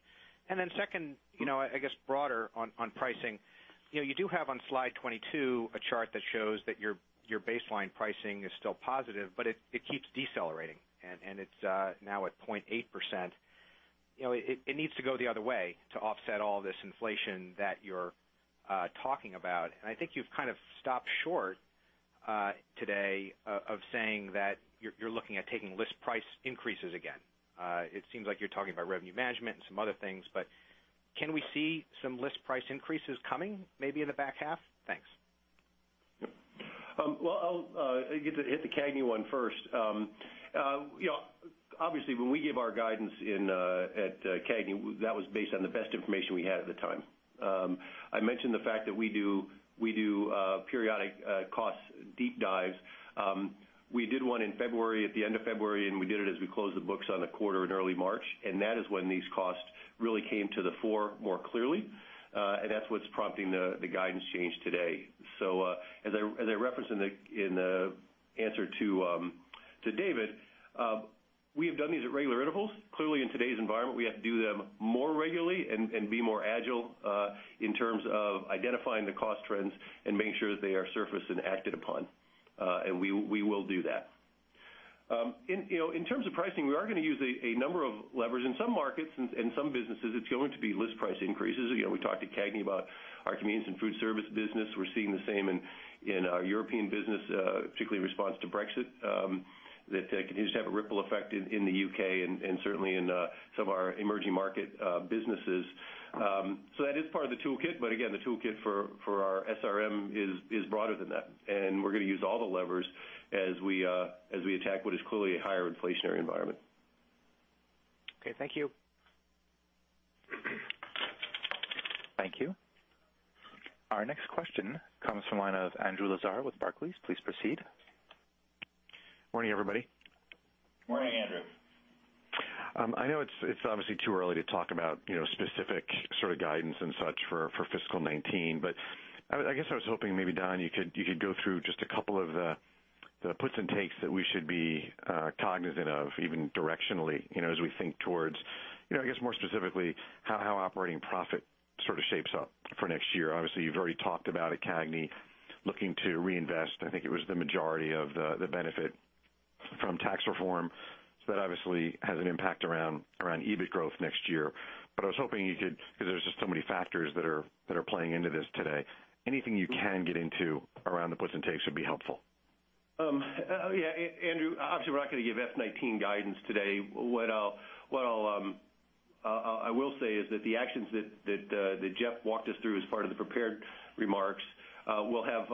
Second, I guess broader on pricing. You do have on slide 22 a chart that shows that your baseline pricing is still positive, but it keeps decelerating, and it's now at 0.8%. It needs to go the other way to offset all this inflation that you're talking about. I think you've kind of stopped short today of saying that you're looking at taking list price increases again. It seems like you're talking about revenue management and some other things, can we see some list price increases coming maybe in the back half? Thanks. Well, I'll hit the CAGNY one first. Obviously, when we gave our guidance at CAGNY, that was based on the best information we had at the time. I mentioned the fact that we do periodic cost deep dives. We did one in February, at the end of February, and we did it as we closed the books on the quarter in early March, and that is when these costs really came to the fore more clearly. That's what's prompting the guidance change today. As I referenced in the answer to David, we have done these at regular intervals. Clearly, in today's environment, we have to do them more regularly and be more agile in terms of identifying the cost trends and making sure that they are surfaced and acted upon. We will do that. In terms of pricing, we are going to use a number of levers. In some markets and some businesses, it's going to be list price increases. Again, we talked at CAGNY about our convenience and food service business. We're seeing the same in our European business, particularly in response to Brexit, that continues to have a ripple effect in the U.K. and certainly in some of our emerging market businesses. That is part of the toolkit, again, the toolkit for our SRM is broader than that, we're going to use all the levers as we attack what is clearly a higher inflationary environment. Okay. Thank you. Thank you. Our next question comes from the line of Andrew Lazar with Barclays. Please proceed. Morning, everybody. Morning, Andrew. I know it's obviously too early to talk about specific sort of guidance and such for fiscal 2019. I guess I was hoping maybe, Don, you could go through just a couple of the puts and takes that we should be cognizant of even directionally as we think towards, I guess more specifically, how operating profit sort of shapes up for next year. Obviously, you've already talked about at CAGNY looking to reinvest, I think it was the majority of the benefit from tax reform, that obviously has an impact around EBIT growth next year. I was hoping you could, because there's just so many factors that are playing into this today, anything you can get into around the puts and takes would be helpful. Yeah, Andrew, obviously we're not going to give FY 2019 guidance today. What I will say is that the actions that Jeff walked us through as part of the prepared remarks will have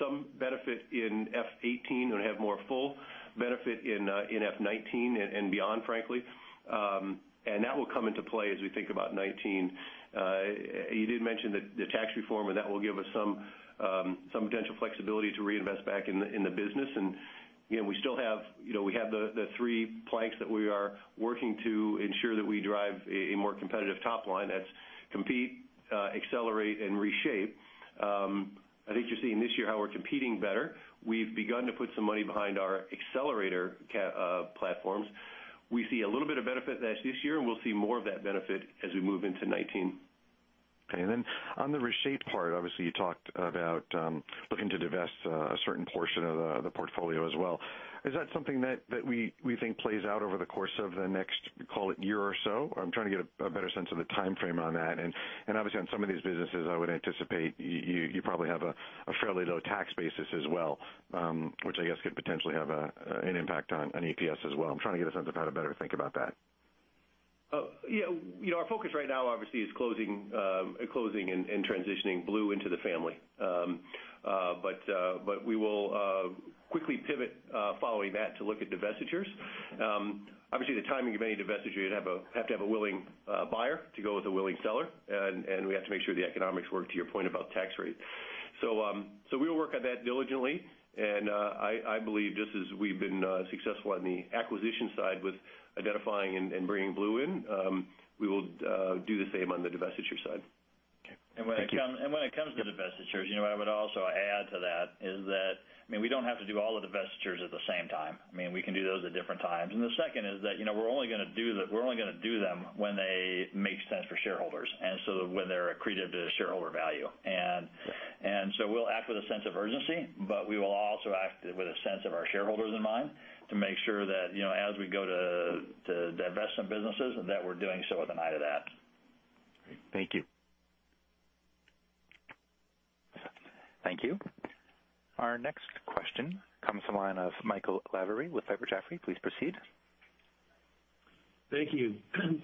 some benefit in FY 2018 and have more full benefit in FY 2019 and beyond, frankly. That will come into play as we think about 2019. You did mention the tax reform, and that will give us some potential flexibility to reinvest back in the business. Again, we have the three planks that we are working to ensure that we drive a more competitive top line. That's compete, accelerate, and reshape. I think you're seeing this year how we're competing better. We've begun to put some money behind our accelerator platforms. We see a little bit of benefit this year, and we'll see more of that benefit as we move into 2019. Okay, then on the reshape part, obviously you talked about looking to divest a certain portion of the portfolio as well. Is that something that we think plays out over the course of the next, call it year or so? I'm trying to get a better sense of the timeframe on that. Obviously on some of these businesses, I would anticipate you probably have a fairly low tax basis as well, which I guess could potentially have an impact on EPS as well. I'm trying to get a sense of how to better think about that. Our focus right now obviously is closing and transitioning Blue into the family. We will quickly pivot following that to look at divestitures. Obviously, the timing of any divestiture, you'd have to have a willing buyer to go with a willing seller, and we have to make sure the economics work to your point about tax rates. We'll work on that diligently, and I believe just as we've been successful on the acquisition side with identifying and bringing Blue in, we will do the same on the divestiture side. Okay. Thank you. When it comes to divestitures, what I would also add to that is that, we don't have to do all the divestitures at the same time. We can do those at different times. The second is that we're only going to do them when they make sense for shareholders and so when they're accretive to shareholder value. We'll act with a sense of urgency, but we will also act with a sense of our shareholders in mind to make sure that as we go to divest some businesses, that we're doing so with an eye to that. Great. Thank you. Thank you. Our next question comes from the line of Michael Lavery with Piper Jaffray. Please proceed. Thank you.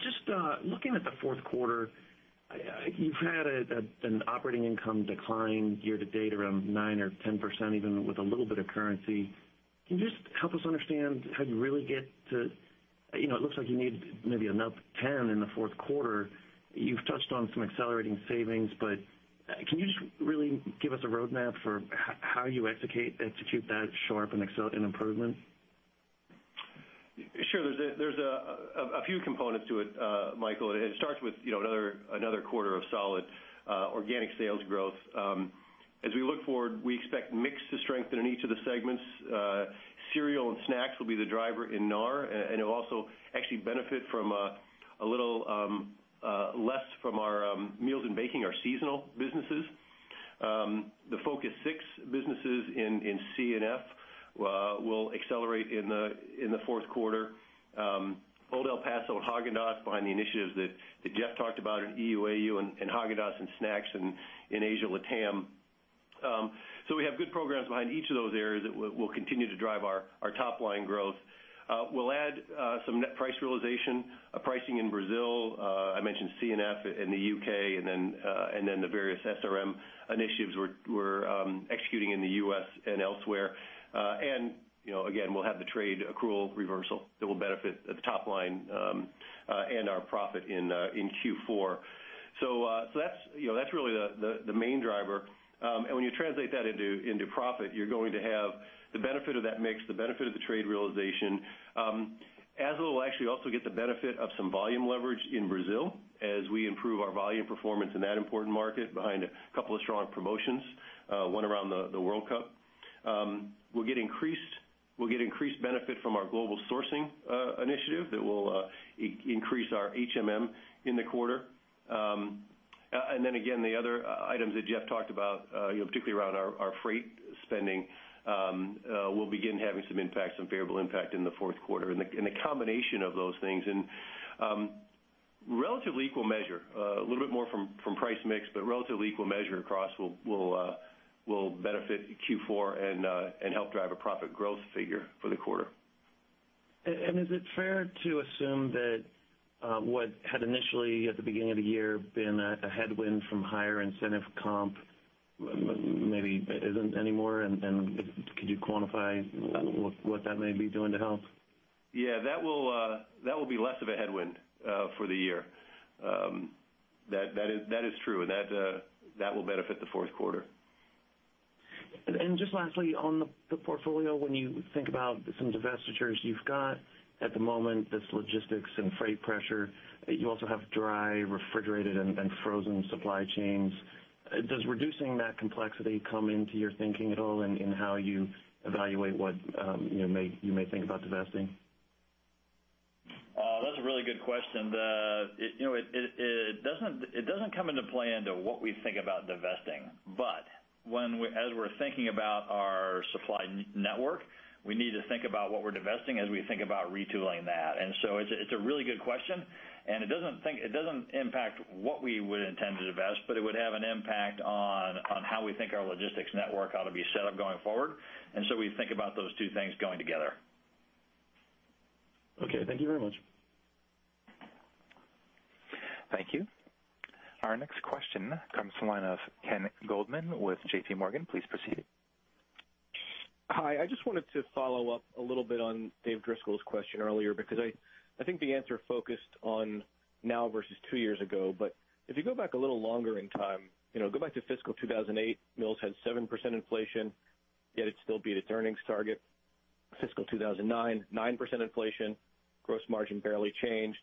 Just looking at the fourth quarter, you've had an operating income decline year-to-date around 9% or 10%, even with a little bit of currency. Can you just help us understand how you really get to. It looks like you need maybe another 10% in the fourth quarter. You've touched on some accelerating savings, can you just really give us a roadmap for how you execute that sharp an improvement? Sure. There's a few components to it, Michael. It starts with another quarter of solid organic sales growth. As we look forward, we expect mix to strengthen in each of the segments. Cereal and snacks will be the driver in NAR, and it will also actually benefit from a little less from our meals and baking, our seasonal businesses. The Focus 6 businesses in C&F will accelerate in the fourth quarter. Old El Paso and Häagen-Dazs behind the initiatives that Jeff talked about in EU-AU and Häagen-Dazs and snacks in Asia, LATAM. We have good programs behind each of those areas that will continue to drive our top-line growth. We'll add some net price realization, pricing in Brazil. I mentioned C&F in the U.K., and then the various SRM initiatives we're executing in the U.S. and elsewhere. Again, we'll have the trade accrual reversal that will benefit the top-line and our profit in Q4. That's really the main driver. When you translate that into profit, you're going to have the benefit of that mix, the benefit of the trade realization. ASLA will actually also get the benefit of some volume leverage in Brazil as we improve our volume performance in that important market behind a couple of strong promotions, one around the World Cup. We'll get increased benefit from our global sourcing initiative that will increase our HMM in the quarter. Then again, the other items that Jeff talked about, particularly around our freight spending will begin having some impact, some favorable impact in the fourth quarter. The combination of those things in relatively equal measure, a little bit more from price mix, but relatively equal measure across will benefit Q4 and help drive a profit growth figure for the quarter. Is it fair to assume that what had initially, at the beginning of the year, been a headwind from higher incentive comp maybe isn't anymore? Could you quantify what that may be doing to help? Yeah, that will be less of a headwind for the year. That is true, that will benefit the fourth quarter. Just lastly, on the portfolio, when you think about some divestitures, you've got at the moment this logistics and freight pressure. You also have dry, refrigerated, and frozen supply chains. Does reducing that complexity come into your thinking at all in how you evaluate what you may think about divesting? Really good question. It doesn't come into play into what we think about divesting. As we're thinking about our supply network, we need to think about what we're divesting as we think about retooling that. It's a really good question, it doesn't impact what we would intend to divest, it would have an impact on how we think our logistics network ought to be set up going forward. We think about those two things going together. Okay. Thank you very much. Thank you. Our next question comes from the line of Ken Goldman with JP Morgan. Please proceed. Hi, I just wanted to follow up a little bit on Dave Driscoll's question earlier because I think the answer focused on now versus two years ago. If you go back a little longer in time, go back to fiscal 2008, Mills had 7% inflation, yet it still beat its earnings target. Fiscal 2009, 9% inflation, gross margin barely changed.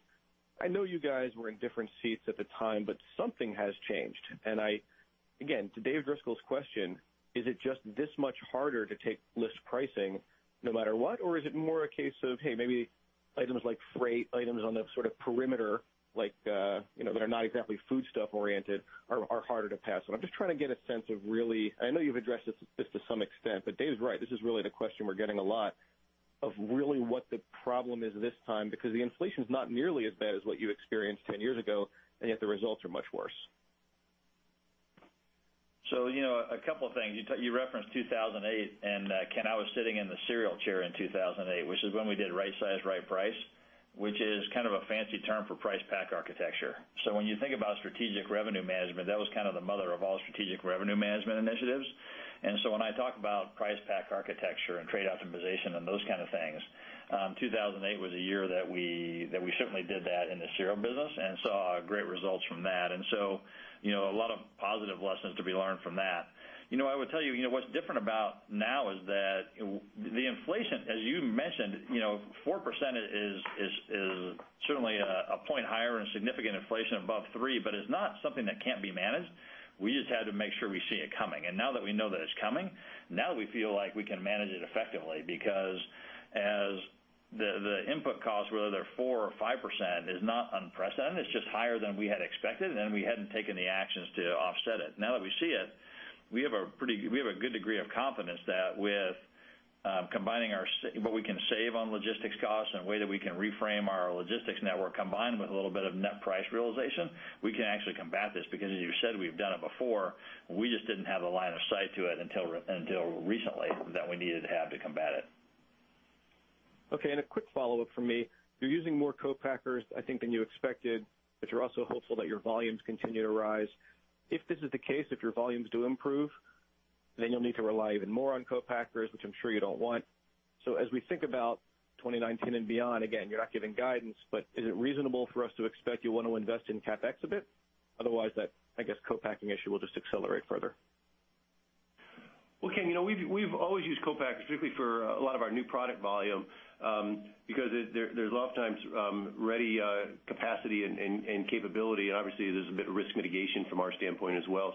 I know you guys were in different seats at the time, but something has changed. Again, to Dave Driscoll's question, is it just this much harder to take list pricing no matter what? Or is it more a case of, hey, maybe items like freight, items on the sort of perimeter that are not exactly food stuff oriented are harder to pass on? I'm just trying to get a sense of really. I know you've addressed this to some extent, but Dave's right. This is really the question we're getting a lot of really what the problem is this time, because the inflation's not nearly as bad as what you experienced 10 years ago, and yet the results are much worse. A couple of things. You referenced 2008 and Ken, I was sitting in the cereal chair in 2008, which is when we did Right Size, Right Price, which is kind of a fancy term for price pack architecture. When you think about strategic revenue management, that was kind of the mother of all strategic revenue management initiatives. When I talk about price pack architecture and trade optimization and those kind of things, 2008 was a year that we certainly did that in the cereal business and saw great results from that. A lot of positive lessons to be learned from that. I would tell you what's different about now is that the inflation, as you mentioned, 4% is certainly a point higher and a significant inflation above three, is not something that can't be managed. We just had to make sure we see it coming. Now that we know that it's coming, now we feel like we can manage it effectively because as the input costs, whether they're 4% or 5%, is not unprecedented, it's just higher than we had expected, and we hadn't taken the actions to offset it. Now that we see it, we have a good degree of confidence that with combining what we can save on logistics costs and way that we can reframe our logistics network combined with a little bit of net price realization, we can actually combat this because as you said, we've done it before. We just didn't have the line of sight to it until recently that we needed to have to combat it. A quick follow-up from me. You're using more co-packers, I think, than you expected, you're also hopeful that your volumes continue to rise. If this is the case, if your volumes do improve, you'll need to rely even more on co-packers, which I'm sure you don't want. As we think about 2019 and beyond, again, you're not giving guidance, is it reasonable for us to expect you'll want to invest in CapEx a bit? Otherwise that, I guess co-packing issue will just accelerate further. Ken, we've always used co-packers, particularly for a lot of our new product volume, because there's a lot of times ready capacity and capability, and obviously there's a bit of risk mitigation from our standpoint as well.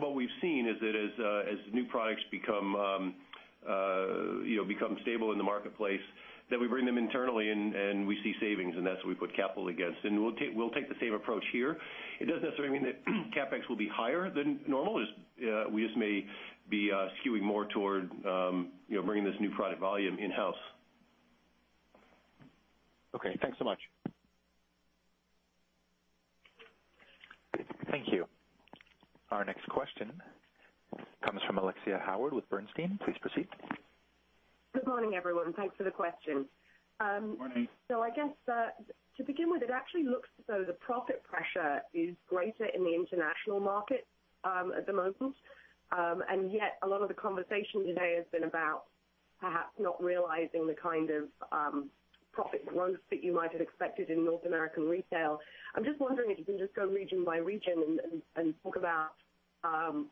What we've seen is that as new products become stable in the marketplace, that we bring them internally and we see savings and that's what we put capital against. We'll take the same approach here. It doesn't necessarily mean that CapEx will be higher than normal, we just may be skewing more toward bringing this new product volume in-house. Okay, thanks so much. Thank you. Our next question comes from Alexia Howard with Bernstein. Please proceed. Good morning, everyone. Thanks for the question. Good morning. I guess to begin with, it actually looks as though the profit pressure is greater in the international market at the moment. Yet a lot of the conversation today has been about perhaps not realizing the kind of profit growth that you might have expected in North American retail. I'm just wondering if you can just go region by region and talk about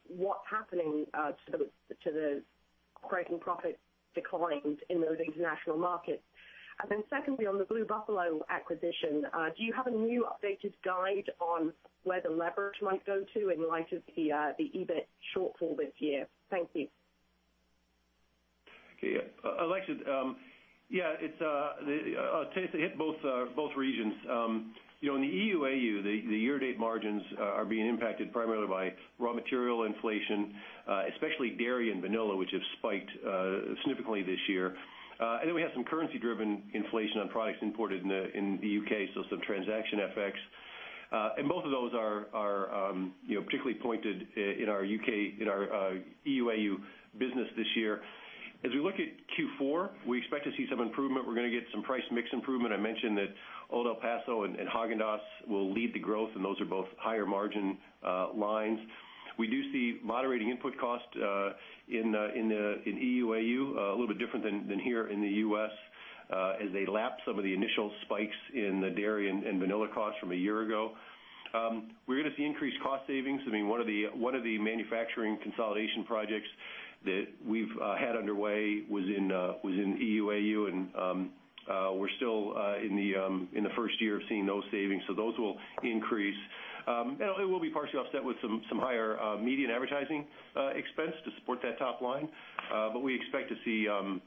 what's happening to the creating profit declines in those international markets. Then secondly, on the Blue Buffalo acquisition, do you have a new updated guide on where the leverage might go to in light of the EBIT shortfall this year? Thank you. Okay, Alexia, to hit both regions. In the EU-AU, the year-to-date margins are being impacted primarily by raw material inflation, especially dairy and vanilla, which have spiked significantly this year. Then we have some currency-driven inflation on products imported in the U.K., so some transaction effects. Both of those are particularly pointed in our EU-AU business this year. As we look at Q4, we expect to see some improvement. We're going to get some price mix improvement. I mentioned that Old El Paso and Häagen-Dazs will lead the growth, and those are both higher margin lines. We do see moderating input cost in EU-AU, a little bit different than here in the U.S. as they lap some of the initial spikes in the dairy and vanilla costs from a year ago. We're going to see increased cost savings. One of the manufacturing consolidation projects that we've had underway was in EU-AU, we're still in the first year of seeing those savings, so those will increase. It will be partially offset with some higher media and advertising expense to support that top line. We expect to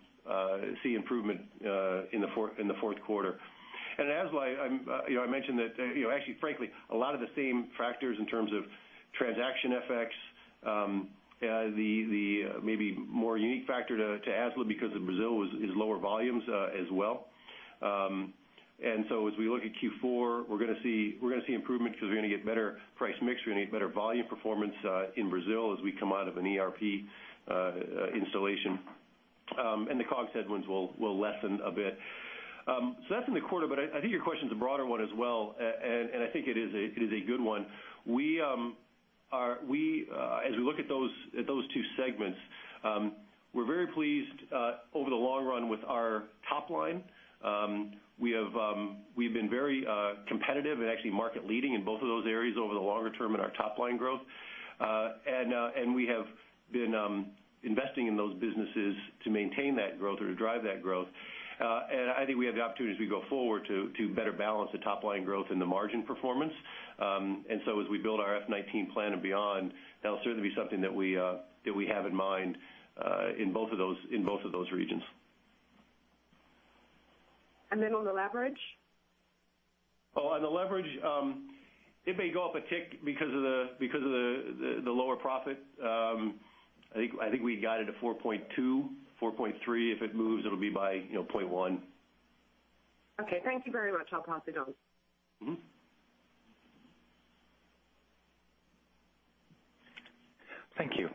see improvement in the fourth quarter. ASLA, I mentioned that, actually, frankly, a lot of the same factors in terms of transaction effects, the maybe more unique factor to ASLA because of Brazil is lower volumes as well. As we look at Q4, we're going to see improvement because we're going to get better price mix. We're going to get better volume performance in Brazil as we come out of an ERP installation. The COGS headwinds will lessen a bit. That's in the quarter, I think your question's a broader one as well, I think it is a good one. As we look at those two segments, we're very pleased over the long run with our top line. We've been very competitive and actually market leading in both of those areas over the longer term in our top-line growth. We have been investing in those businesses to maintain that growth or to drive that growth. I think we have the opportunity as we go forward to better balance the top-line growth and the margin performance. As we build our FY 2019 plan and beyond, that'll certainly be something that we have in mind, in both of those regions. Then on the leverage? On the leverage, it may go up a tick because of the lower profit. I think we guided to 4.2, 4.3. If it moves, it'll be by 0.1. Thank you very much. I'll pass it on. Thank you.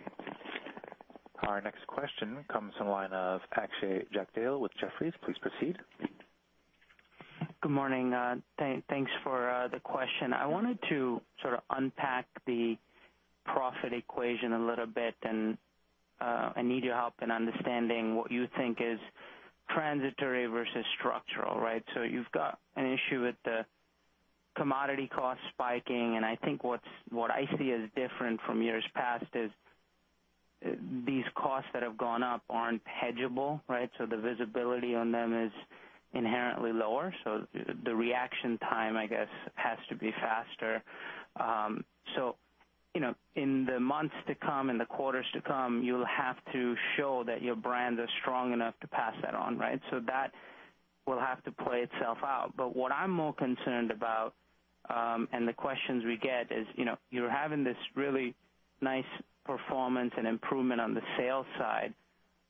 Our next question comes from the line of Akshay Jagdale with Jefferies. Please proceed. Good morning. Thanks for the question. I wanted to sort of unpack the profit equation a little bit. I need your help in understanding what you think is transitory versus structural, right? You've got an issue with the commodity costs spiking. I think what I see as different from years past is these costs that have gone up aren't hedgeable, right? The visibility on them is inherently lower, the reaction time, I guess has to be faster. In the months to come, in the quarters to come, you'll have to show that your brands are strong enough to pass that on, right? That will have to play itself out. What I'm more concerned about, the questions we get, is you're having this really nice performance and improvement on the sales side.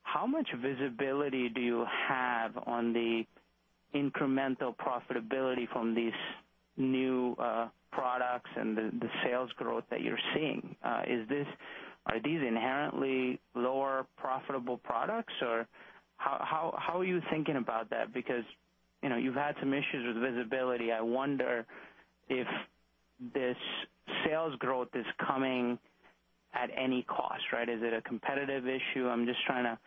How much visibility do you have on the incremental profitability from these new products and the sales growth that you're seeing? Are these inherently lower profitable products, or how are you thinking about that? You've had some issues with visibility. I wonder if this sales growth is coming at any cost, right? Is it a competitive issue? I'm just trying to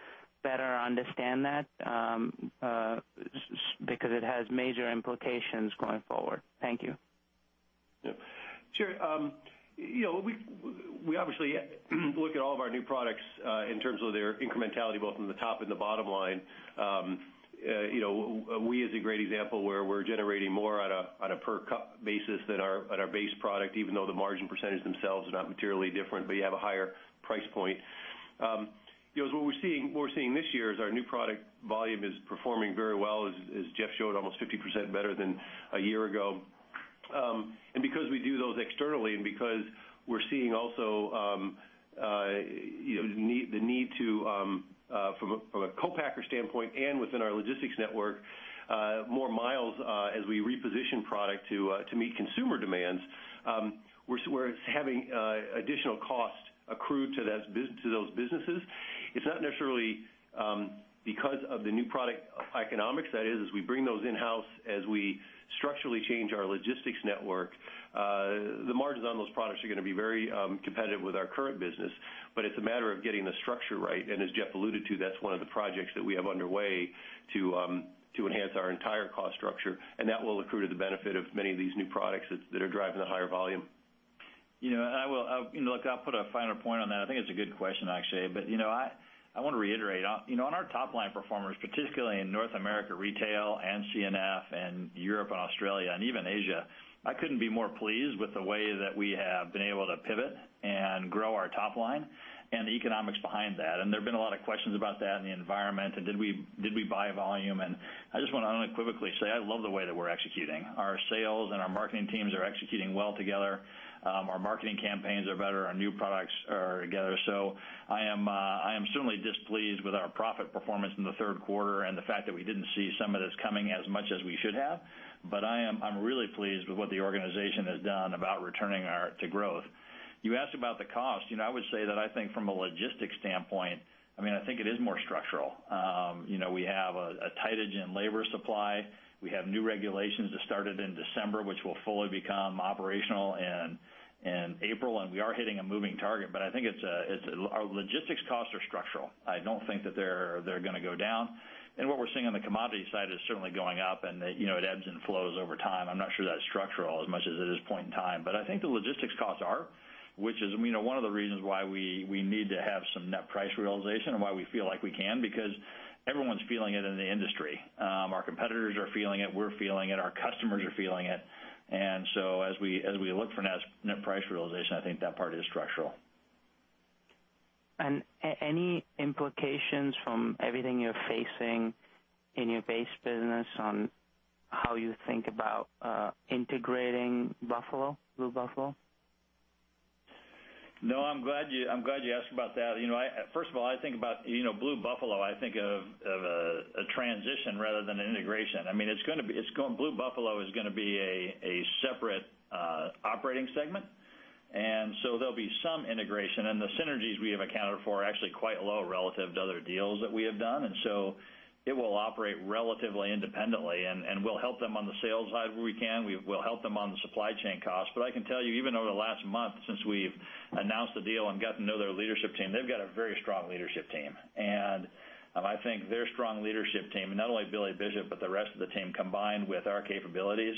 better understand that, because it has major implications going forward. Thank you. Sure. We obviously look at all of our new products in terms of their incrementality, both from the top and the bottom line. Oui is a great example where we're generating more on a per cup basis than on our base product, even though the margin percentage themselves are not materially different, you have a higher price point. What we're seeing this year is our new product volume is performing very well, as Jeff showed, almost 50% better than a year ago. Because we do those externally, because we're seeing also the need to, from a co-packer standpoint and within our logistics network, more miles as we reposition product to meet consumer demands, we're having additional costs accrue to those businesses. It's not necessarily because of the new product economics. That is, as we bring those in-house, as we structurally change our logistics network, the margins on those products are gonna be very competitive with our current business. It's a matter of getting the structure right, as Jeff alluded to, that's one of the projects that we have underway to enhance our entire cost structure, that will accrue to the benefit of many of these new products that are driving the higher volume. Look, I'll put a finer point on that. I think it's a good question, Akshay Jagdale. I want to reiterate. On our top-line performers, particularly in North America Retail and C&F and Europe and Australia and even Asia, I couldn't be more pleased with the way that we have been able to pivot and grow our top line and the economics behind that. There've been a lot of questions about that and the environment, and did we buy volume? I just want to unequivocally say I love the way that we're executing. Our sales and our marketing teams are executing well together. Our marketing campaigns are better. Our new products are together. I am certainly displeased with our profit performance in the third quarter and the fact that we didn't see some of this coming as much as we should have. I'm really pleased with what the organization has done about returning to growth. You asked about the cost. I would say that I think from a logistics standpoint, I think it is more structural. We have a shortage in labor supply. We have new regulations that started in December, which will fully become operational in April, and we are hitting a moving target. I think our logistics costs are structural. I don't think that they're going to go down. What we're seeing on the commodity side is certainly going up, and it ebbs and flows over time. I'm not sure that's structural as much as it is point in time. I think the logistics costs are, which is one of the reasons why we need to have some net price realization and why we feel like we can, because everyone's feeling it in the industry. Our competitors are feeling it. We're feeling it. Our customers are feeling it. As we look for net price realization, I think that part is structural. Any implications from everything you're facing in your base business on how you think about integrating Blue Buffalo? No, I'm glad you asked about that. First of all, I think about Blue Buffalo, I think of a transition rather than an integration. Blue Buffalo is gonna be a separate operating segment. There'll be some integration, and the synergies we have accounted for are actually quite low relative to other deals that we have done. It will operate relatively independently, and we'll help them on the sales side where we can. We'll help them on the supply chain costs. I can tell you, even over the last month since we've announced the deal and gotten to know their leadership team, they've got a very strong leadership team. I think their strong leadership team, and not only Billy Bishop, but the rest of the team, combined with our capabilities,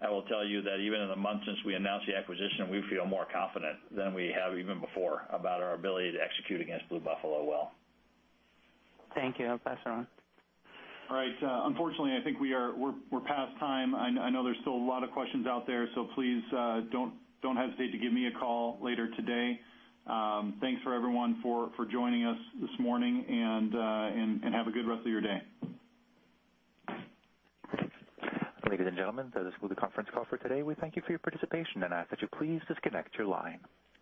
I will tell you that even in the month since we announced the acquisition, we feel more confident than we have even before about our ability to execute against Blue Buffalo well. Thank you. I'll pass it on. All right. Unfortunately, I think we're past time. I know there's still a lot of questions out there, please don't hesitate to give me a call later today. Thanks for everyone for joining us this morning, have a good rest of your day. Ladies and gentlemen, this will be the conference call for today. We thank you for your participation and ask that you please disconnect your line.